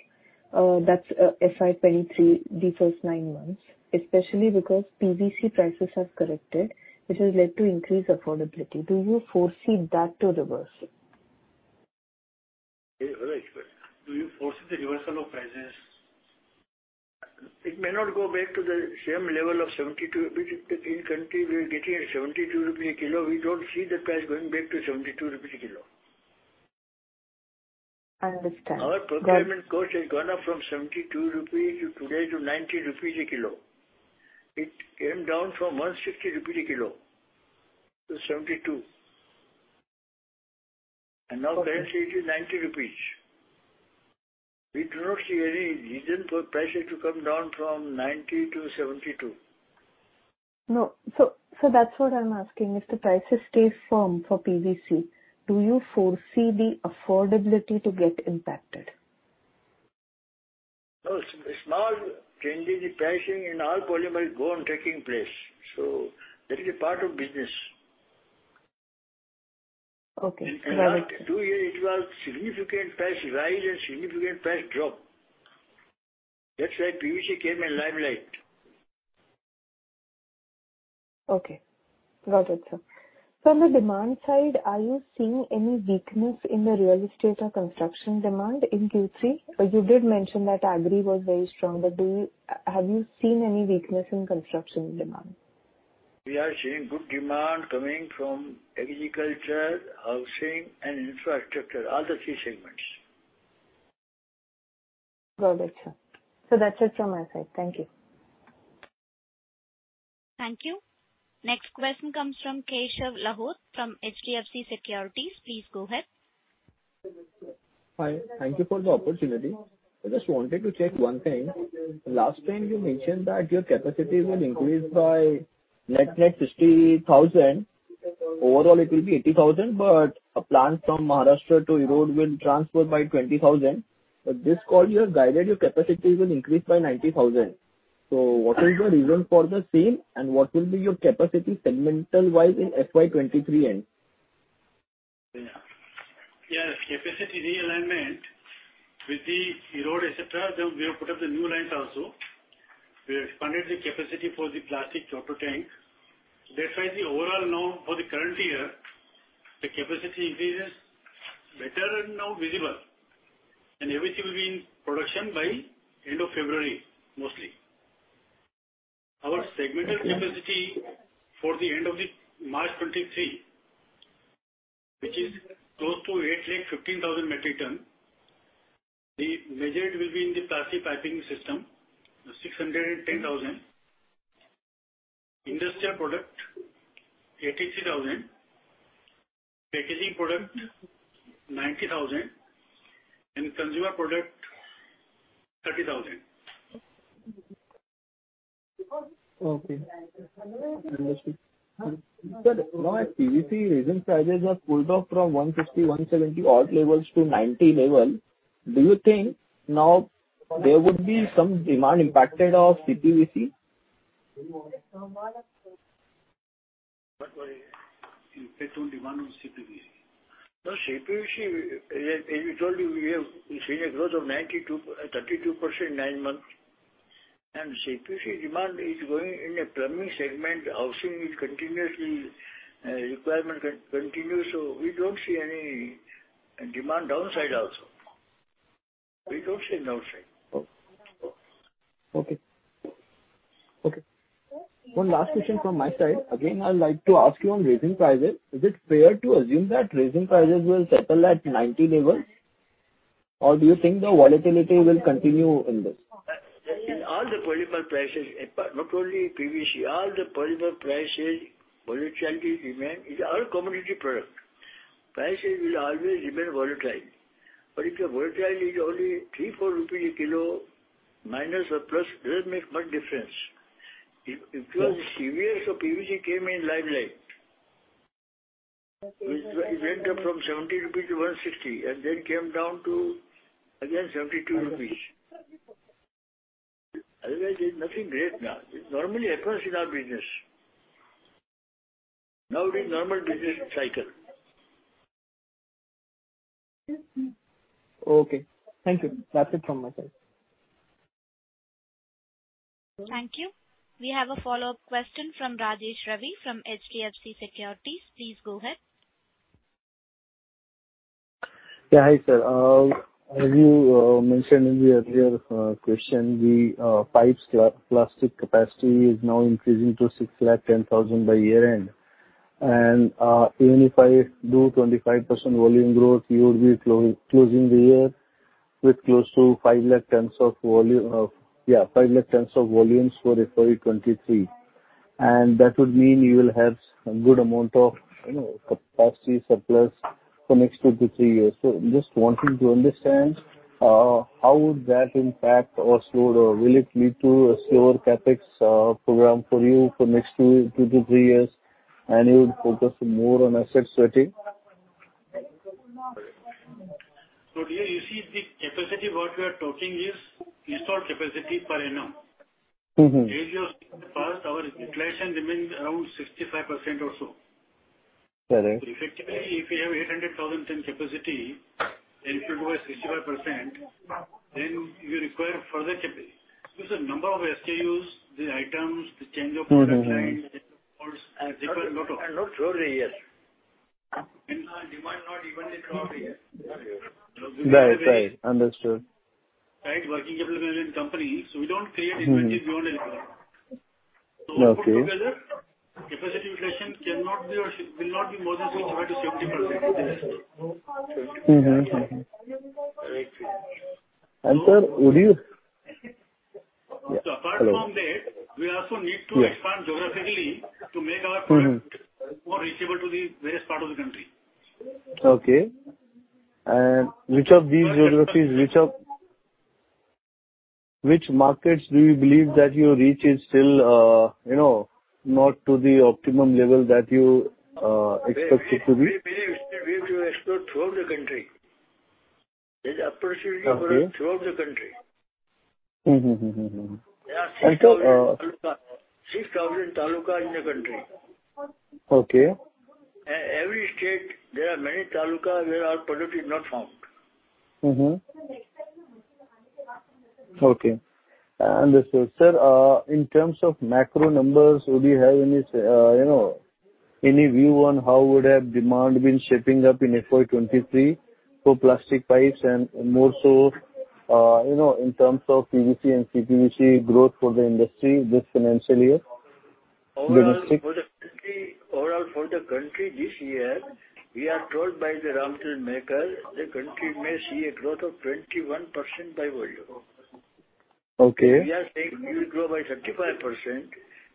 FY 2023, the first nine months, especially because PVC prices have corrected, which has led to increased affordability. Do you foresee that to reverse? Very right question. Do you foresee the reversal of prices? It may not go back to the same level of 72 rupees. In country, we are getting at 72 rupees a kilo. We don't see the price going back to 72 rupees a kilo. Understand. Our procurement cost has gone up from 72 rupees to today to 90 rupees a kilo. It came down from 160 rupees a kilo to 72. Now currently it is 90 rupees. We do not see any reason for prices to come down from 90 to 72. No. So that's what I'm asking. If the prices stay firm for PVC, do you foresee the affordability to get impacted? No. Small changes in pricing in all polymers go on taking place. That is a part of business. Okay. Got it. In the last two years it was significant price rise and significant price drop. That's why PVC came in limelight. Okay. Got it, sir. From the demand side, are you seeing any weakness in the real estate or construction demand in Q3? You did mention that agri was very strong, have you seen any weakness in construction demand? We are seeing good demand coming from agriculture, housing and infrastructure, all the three segments. Got it, sir. That's it from my side. Thank you. Thank you. Next question comes from Keshav Lahoti from HDFC Securities. Please go ahead. Hi. Thank you for the opportunity. I just wanted to check one thing. Last time you mentioned that your capacity will increase by net-net 60,000. Overall it will be 80,000, but a plant from Maharashtra to Erode will transfer by 20,000. This quarter you have guided your capacity will increase by 90,000. What is the reason for the same and what will be your capacity segmental-wise in FY 2023 end? Yeah. Yeah. Capacity realignment with the Erode, et cetera. We have put up the new lines also. We have expanded the capacity for the plastic tote tank. That's why the overall now for the current year, the capacity increase is better and now visible. Everything will be in production by end of February, mostly. Our segmental capacity for the end of the March 2023, which is close to 8,15,000 metric ton, the major it will be in the plastic piping system, 6,10,000. Industrial product, 83,000. Packaging product, 90,000. And consumer product, 30,000. Okay. Understood. Sir, now as PVC resin prices have pulled up from 150-170 odd levels to 90 level, do you think now there would be some demand impacted of CPVC? Impact on demand on CPVC? No, CPVC, as we told you, we've seen a growth of 32% nine months. CPVC demand is growing in the plumbing segment. Housing is continuously requirement continues. We don't see any demand downside also. We don't see a downside. Okay. Okay. One last question from my side. Again, I would like to ask you on resin prices, is it fair to assume that resin prices will settle at 90 level, or do you think the volatility will continue in this? In all the polymer prices, not only PVC, all the polymer prices volatility remain. It's all commodity product. Prices will always remain volatile. If the volatility is only three, 4 rupees a kilo, minus or plus, doesn't make much difference. If it was serious, PVC came in limelight. It went up from 70 rupees to 160 INR, and then came down to again 72 rupees. Otherwise, it's nothing great now. It normally occurs in our business. Now it is normal business cycle. Okay. Thank you. That's it from my side. Thank you. We have a follow-up question from Rajesh Ravi from HDFC Securities. Please go ahead. Hi, sir. As you mentioned in the earlier question, the pipes plastic capacity is now increasing to 610,000 by year-end. Even if I do 25% volume growth, you would be closing the year with close to 500,000 tons of volumes for FY 2023. That would mean you will have some good amount of, you know, capacity surplus for next 2-3 years. Just wanting to understand how would that impact or lead to a slower CapEx program for you for next 2-3 years, and you would focus more on asset sweating? Here you see the capacity what we are talking is installed capacity per annum. Mm-hmm. As years went past, our utilization remained around 65% or so. Correct. Effectively, if you have 800,000 ton capacity, and if you do a 65%, then you require further capacity. The number of SKUs, the items, the change of product line. Mm-hmm. Not slowly, yes. Demand not evenly throughout the year. Right. Right. Understood. Right, working capital in company, so we don't create inventory beyond LCL. Okay. Put together, capacity utilization cannot be or will not be more than 30% to 70%. Mm-hmm. Correct. sir, would you. Apart from that, we also need to expand geographically to make our product more reachable to the various part of the country. Okay. Which of these geographies, Which markets do you believe that your reach is still, you know, not to the optimum level that you expect it to be? We have to explore throughout the country. There's opportunity for us throughout the country. Okay. Mm-hmm. Mm-hmm. Mm-hmm. There are 6,000 taluka, 6,000 taluka in the country. Okay. Every state there are many taluka where our product is not found. Mm-hmm. Okay. Understood. Sir, in terms of macro numbers, would you have any, you know, any view on how would have demand been shaping up in FY 2023 for plastic pipes and more so, you know, in terms of PVC and CPVC growth for the industry this financial year? Overall for the country this year, we are told by the ramp maker the country may see a growth of 21% by volume. Okay. We are saying we will grow by 35%. Mm-hmm.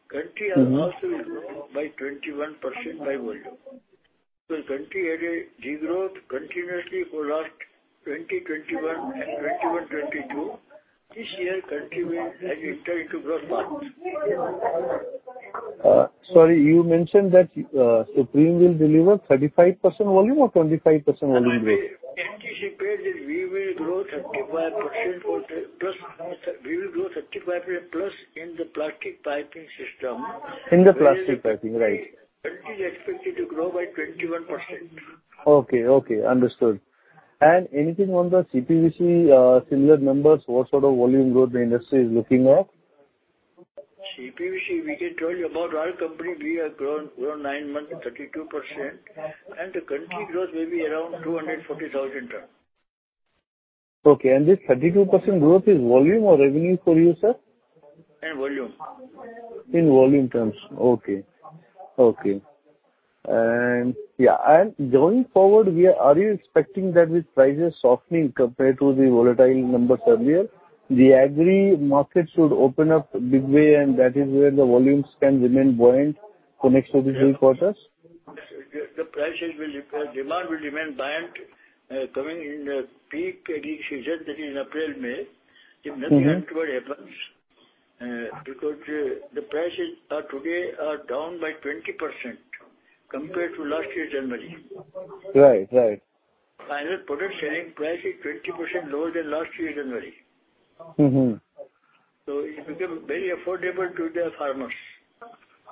Country also will grow by 21% by volume. Country had a degrowth continuously for last 2020, 2021 and 2021, 2022. This year country has entered into growth path. Sorry, you mentioned that Supreme will deliver 35% volume or 25% volume growth? We anticipate that we will grow 35% plus in the plastic piping system. In the plastic piping, right. Country is expected to grow by 21%. Okay, okay. Understood. Anything on the CPVC, similar numbers? What sort of volume growth the industry is looking at? CPVC, we can tell you about our company. We have grown nine months 32% and the country growth may be around 240,000 ton. Okay. This 32% growth is volume or revenue for you, sir? In volume. In volume terms. Okay. Okay. Yeah, and going forward, are you expecting that with prices softening compared to the volatile numbers earlier, the agri market should open up big way and that is where the volumes can remain buoyant for next additional quarters? Demand will remain buoyant, coming in the peak irrigation season, that is April, May. Mm-hmm. If nothing untoward happens, because, the prices are today are down by 20% compared to last year January. Right. Right. Final product selling price is 20% lower than last year January. Mm-hmm. It became very affordable to the farmers.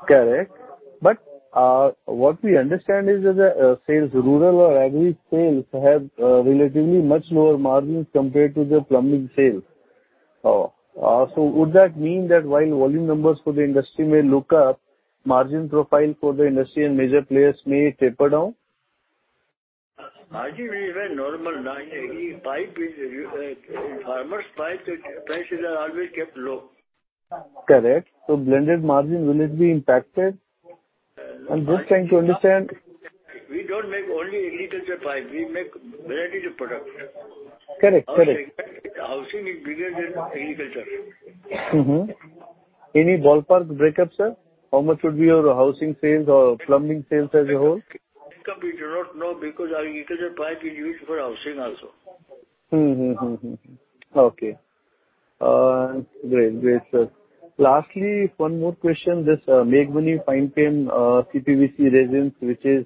Correct. What we understand is that the sales, rural or agri sales have relatively much lower margins compared to the plumbing sales. Would that mean that while volume numbers for the industry may look up, margin profile for the industry and major players may taper down? Margin will remain normal. Pipe is farmers pipe prices are always kept low. Correct. Blended margin, will it be impacted? I'm just trying to understand. We don't make only agriculture pipe. We make varieties of products. Correct. Correct. Our housing is bigger than agriculture. Mm-hmm. Any ballpark breakup, sir? How much would be your housing sales or plumbing sales as a whole? Breakup we do not know because agriculture pipe is used for housing also. Mm-hmm. Mm-hmm. Mm-hmm. Okay. Great. Great, sir. Lastly, one more question, this Meghmani Finechem, CPVC resins, which is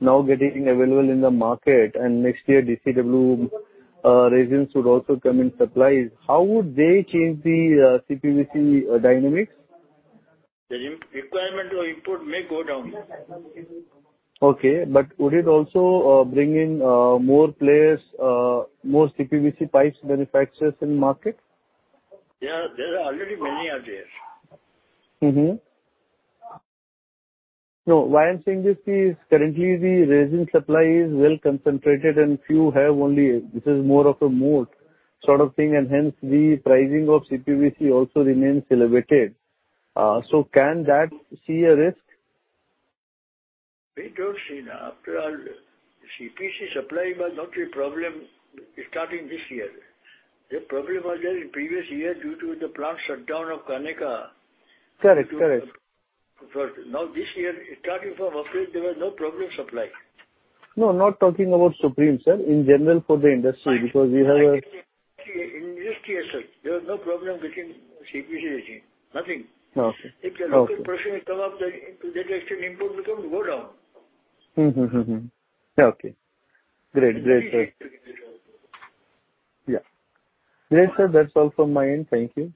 now getting available in the market, and next year DCW resins should also come in supplies. How would they change the CPVC dynamics? The re-requirement or import may go down. Okay, would it also bring in more players, more CPVC pipes manufacturers in market? Yeah, there are already many are there. Mm-hmm. No, why I'm saying this is currently the resin supply is well concentrated and few have only... This is more of a moat sort of thing, and hence the pricing of CPVC also remains elevated. Can that see a risk? We don't see. After all, CPVC supply was not a problem starting this year. The problem was there in previous year due to the plant shutdown of Kaneka. Correct. Correct. For now this year, starting from April, there was no problem supply. No, I'm not talking about Supreme, sir. In general for the industry. In this year, sir, there was no problem getting CPVC resin. Nothing. Okay. Okay. If a local problem come up, then to that extent import become go down. Mm-hmm. Mm-hmm. Okay, great. Great, sir. We expect it to be that way. Yeah. Great, sir. That's all from my end. Thank you.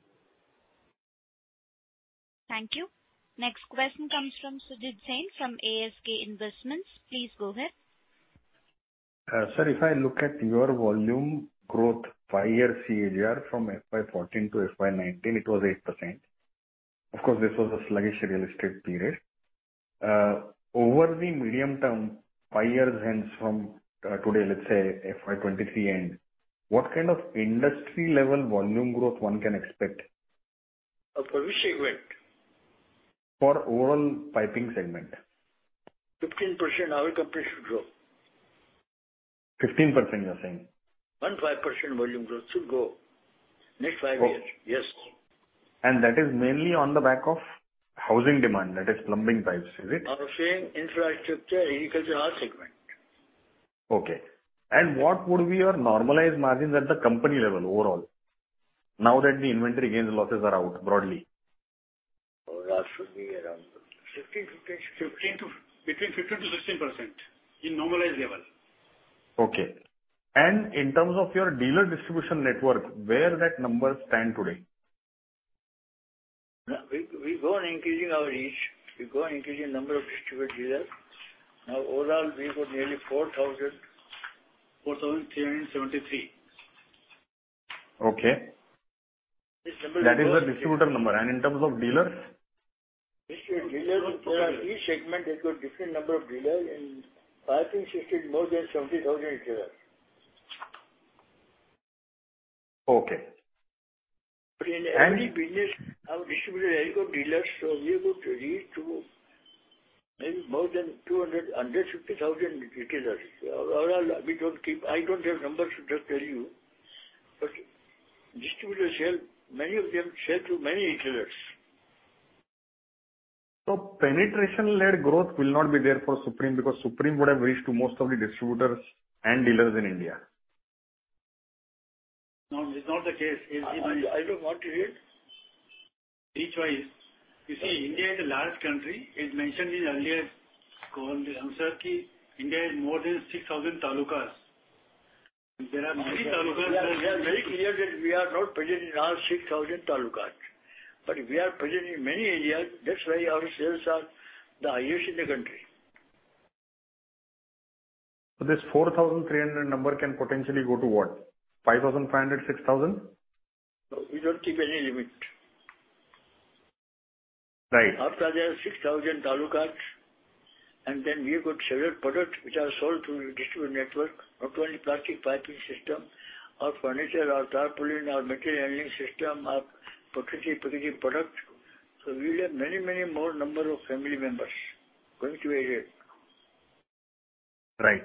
Thank you. Next question comes from Sujit Jain from ASK Investments. Please go ahead. Sir, if I look at your volume growth five year CAGR from FY 2014 to FY 2019, it was 8%. Of course, this was a sluggish real estate period. Over the medium term, five years hence from today, let's say FY 2023 end, what kind of industry level volume growth one can expect? Of which segment? For overall piping segment. 15% our company should grow. 15% you're saying? 15% volume growth should go next five years. O- Yes. That is mainly on the back of housing demand, that is plumbing pipes, is it? Our same infrastructure, agriculture, all segment. Okay. What would be your normalized margins at the company level overall now that the inventory gains and losses are out broadly? Overall should be Between 15%-16% in normalized level. Okay. In terms of your dealer distribution network, where that numbers stand today? Now, we go on increasing our reach. We go on increasing number of distributors here. Now, overall we've got nearly 4,373. Okay. This number. That is the distributor number. In terms of dealers? Distributor, dealers, there are each segment they've got different number of dealers. In piping system more than 70,000 retailers. Okay. In every business our distributor has got dealers, so we have got to reach to maybe more than 250,000 retailers. Overall, we don't keep. I don't have numbers to just tell you. Distributors sell, many of them sell to many retailers. Penetration-led growth will not be there for Supreme because Supreme would have reached to most of the distributors and dealers in India. No, it's not the case. I know what you mean. Reach-wise, you see, India is a large country. It's mentioned in earlier call, the answer key, India has more than 6,000 talukas. There are many talukas and districts. We are very clear that we are not present in all 6,000 talukas. We are present in many areas. That's why our sales are the highest in the country. This 4,300 number can potentially go to what? 5,500, 6,000? No, we don't keep any limit. Right. After there are 6,000 talukas, we've got several products which are sold through distributor network, not only plastic piping system or furniture or tarpaulin or material handling system or Prakriti packaging product. We have many, many more number of family members going to be added. Right.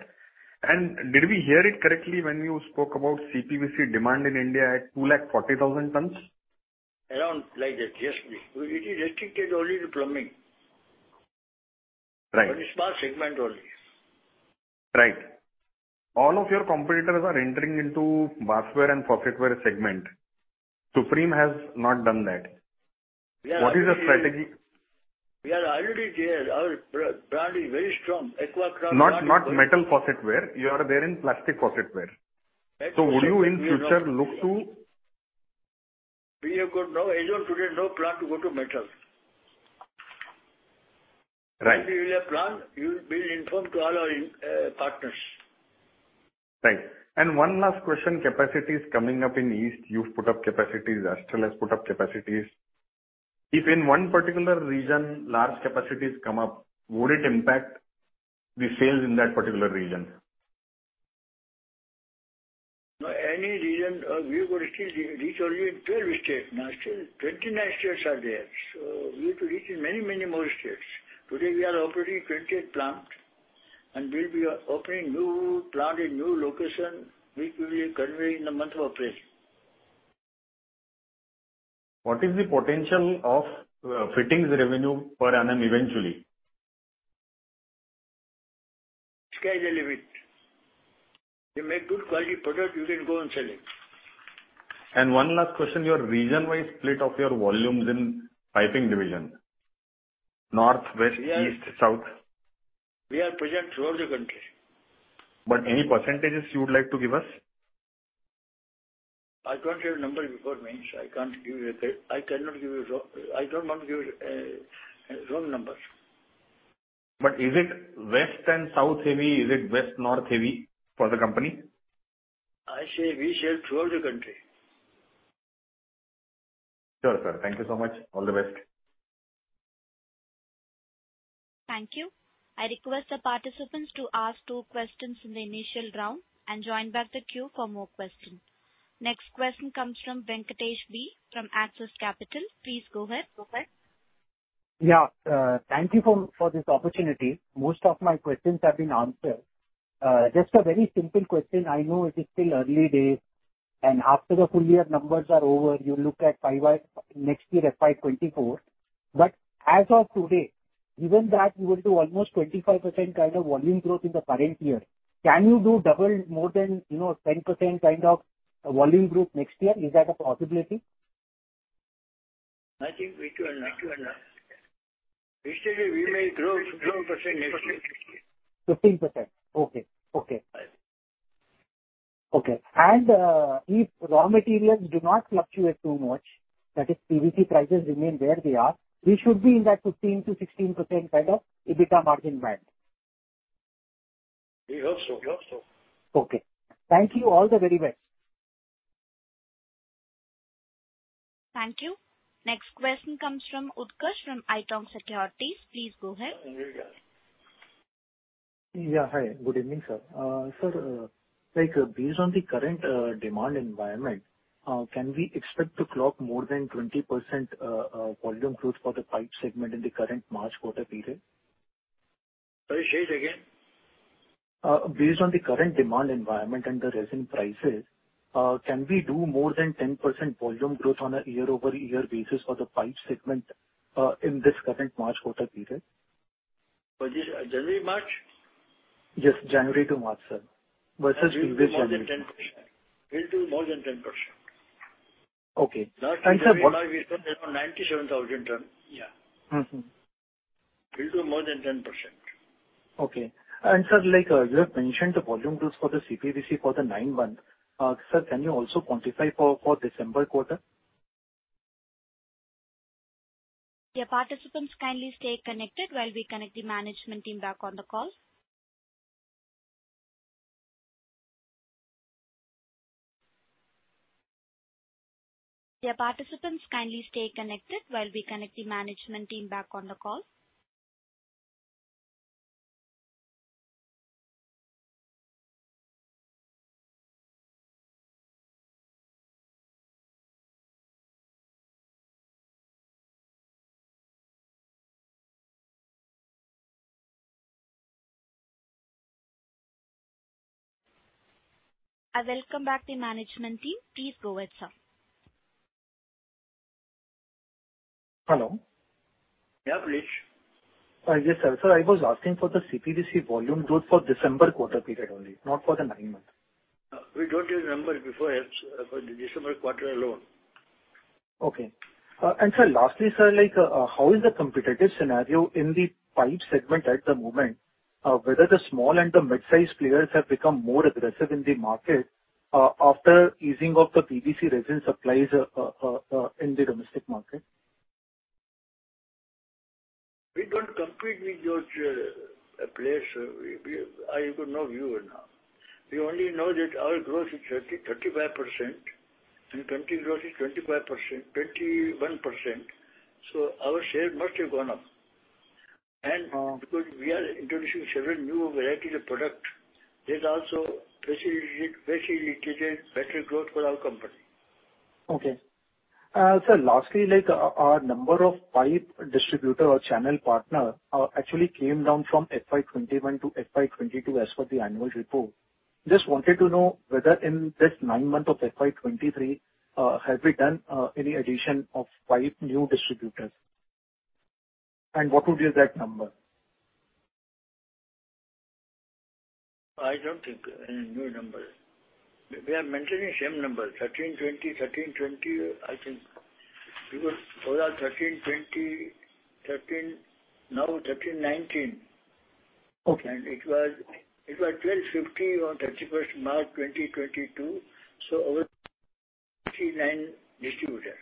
Did we hear it correctly when you spoke about CPVC demand in India at 240,000 tons? Around like that, yes. It is restricted only to plumbing. Right. Very small segment only. Right. All of your competitors are entering into bathware and faucetware segment. Supreme has not done that. Yeah. What is the strategy? We are already there. Our brand is very strong. Aquacrate brand is very strong. Not, not metal faucetware. You are there in plastic faucetware. Aquacrate, we are not in metal. Would you in future look to. We have got as of today, no plan to go to metal. Right. If we have plan, you will be informed to all our partners. Right. One last question, capacities coming up in east. You've put up capacities. Astral has put up capacities. If in one particular region large capacities come up, would it impact the sales in that particular region? Any region, we've got to still re-reach only in 12 states. Still 29 states are there. We have to reach in many, many more states. Today we are operating 28 plant, we'll be opening new plant in new location, which we will convey in the month of April. What is the potential of fittings revenue per annum eventually? Sky is the limit. You make good quality product, you can go and sell it. One last question, your region-wide split of your volumes in piping division? North, West- We are- East, south. We are present throughout the country. Any % you would like to give us? I don't have number before me, so I can't give you. I cannot give you a wrong. I don't want to give a wrong numbers. Is it west and south-heavy? Is it west-north heavy for the company? I say we sell throughout the country. Sure, sir. Thank you so much. All the best. Thank you. I request the participants to ask 2 questions in the initial round and join back the queue for more questions. Next question comes from Venkatesh B from Axis Capital. Please go ahead, go for it. Yeah. Thank you for this opportunity. Most of my questions have been answered. Just a very simple question. I know it is still early days and after the full year numbers are over, you look at FY next year, FY 2024. As of today, given that you will do almost 25% kind of volume growth in the current year, can you do double more than, you know, 10% kind of volume growth next year? Is that a possibility? I think we too are not. Basically, we may grow 12% next year. 15%. Okay. Okay. Right. Okay. If raw materials do not fluctuate too much, that is PVC prices remain where they are, we should be in that 15% to 16% kind of EBITDA margin band. We hope so. We hope so. Okay. Thank you. All the very best. Thank you. Next question comes from Utkarsh from ITI Securities. Please go ahead. Yeah. Yeah. Hi. Good evening, sir. sir, like, based on the current demand environment, can we expect to clock more than 20% volume growth for the pipe segment in the current March quarter period? Sorry, say it again. Based on the current demand environment and the resin prices, can we do more than 10% volume growth on a year-over-year basis for the pipe segment, in this current March quarter period? For this January, March? Yes, January to March, sir. Versus previous January. We'll do more than 10%. We'll do more than 10%. Okay. Last January, March, we said around 97,000 ton. Yeah. Mm-hmm. We'll do more than 10%. Okay. Sir, like, you have mentioned the volume growth for the CPVC for the nine month. Sir, can you also quantify for December quarter? Yeah, participants kindly stay connected while we connect the management team back on the call. Welcome back the management team. Please go ahead, sir. Hello. Yeah, please. Yes, sir. Sir, I was asking for the CPVC volume growth for December quarter period only, not for the nine month. We don't give number beforehands for the December quarter alone. Okay. Sir, lastly, sir, like, how is the competitive scenario in the pipe segment at the moment, whether the small and the mid-sized players have become more aggressive in the market, after easing of the PVC resin supplies in the domestic market? We don't compete with your place. I've got no view on her. We only know that our growth is 30%-35% and country growth is 25%, 21%, so our share must have gone up. Mm-hmm. Because we are introducing several new varieties of product, that also facilitated better growth for our company. Okay. sir, lastly, like, our number of pipe distributor or channel partner actually came down from FY 2021 to FY 2022 as per the annual report. Just wanted to know whether in this nine month of FY 2023, have we done any addition of five new distributors? What would be that number? I don't think any new number. We are mentioning same number, 13, 20, 13, 20, I think. Because total 13, 20, 13, now 13, 19. Okay. It was 1,250 on 31st March 2022, so our 39 distributor.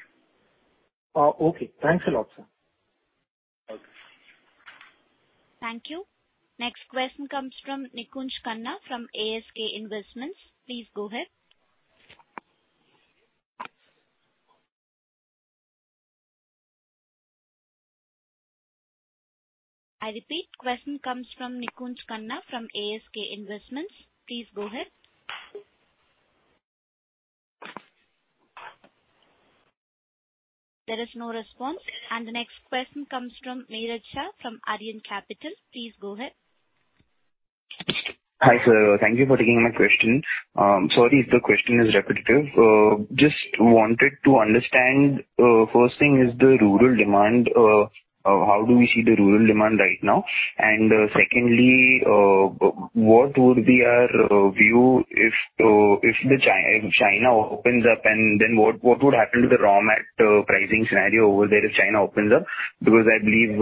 Okay. Thanks a lot, sir. Okay. Thank you. Next question comes from Nikunj Khanna from ASK Investments. Please go ahead. I repeat. Question comes from Nikunj Khanna from ASK Investments. Please go ahead. There is no response. The next question comes from Nirav Shah from Aryan Capital. Please go ahead. Hi, sir. Thank you for taking my question. Sorry if the question is repetitive. Just wanted to understand, first thing is the rural demand. How do we see the rural demand right now? Secondly, what would be our view if China opens up, and then what would happen to the raw material pricing scenario over there if China opens up? Because I believe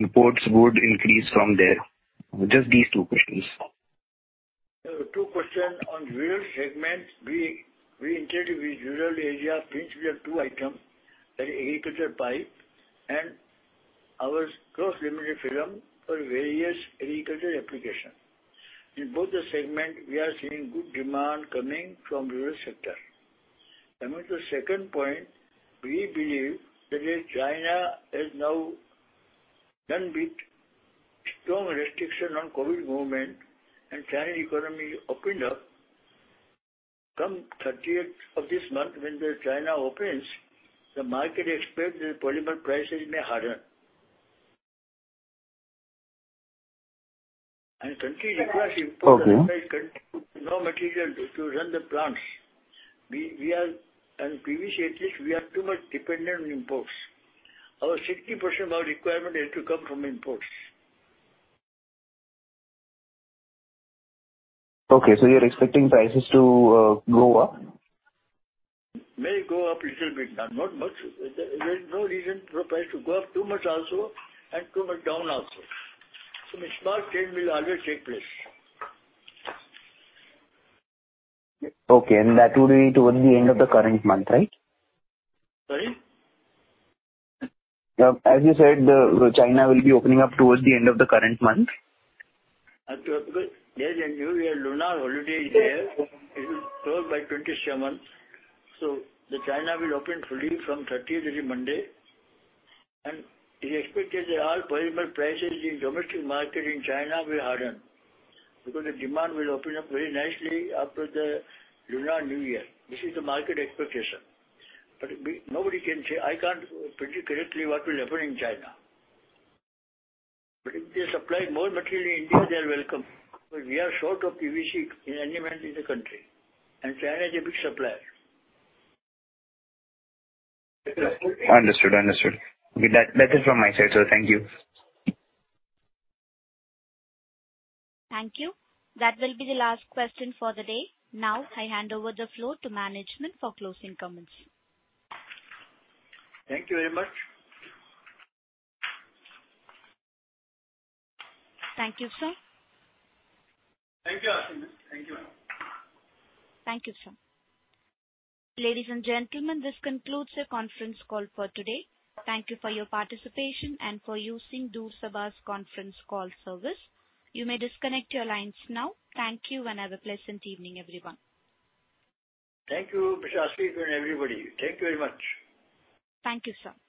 imports would increase from there. Just these two questions. Two question. On rural segment, we entered in rural Asia since we have two item, the agriculture pipe and our cross-laminated film for various agricultural application. In both the segment, we are seeing good demand coming from rural sector. Coming to the second point, we believe that if China is now done with strong restriction on COVID movement and China economy opened up, come thirtieth of this month when the China opens, the market expect the polymer prices may harden. country requires import. Okay. Otherwise, country no material to run the plants. Previously, at least, we are too much dependent on imports. Our 60% of our requirement has to come from imports. Okay. You're expecting prices to go up? May go up little bit. Not much. There is no reason for price to go up too much also and too much down also. Some small change will always take place. Okay. That would be towards the end of the current month, right? Sorry? As you said, the China will be opening up towards the end of the current month. Yes, in New Year Lunar holiday is there. It is held by 27. The China will open fully from 30th, that is Monday, and we expected that all polymer prices in domestic market in China will harden because the demand will open up very nicely after the Lunar New Year. This is the market expectation. Nobody can say, I can't predict correctly what will happen in China. If they supply more material in India, they're welcome, because we are short of PVC in any month in the country, and China is a big supplier. Understood. Understood. With that is from my side, sir. Thank you. Thank you. That will be the last question for the day. Now, I hand over the floor to management for closing comments. Thank you very much. Thank you, sir. Thank you, Ashwini. Thank you, ma'am. Thank you, sir. Ladies and gentlemen, this concludes the conference call for today. Thank you for your participation and for using Chorus Call Conference Service. You may disconnect your lines now. Thank you, and have a pleasant evening, everyone. Thank you, Prashasti, and everybody. Thank you very much. Thank you, sir.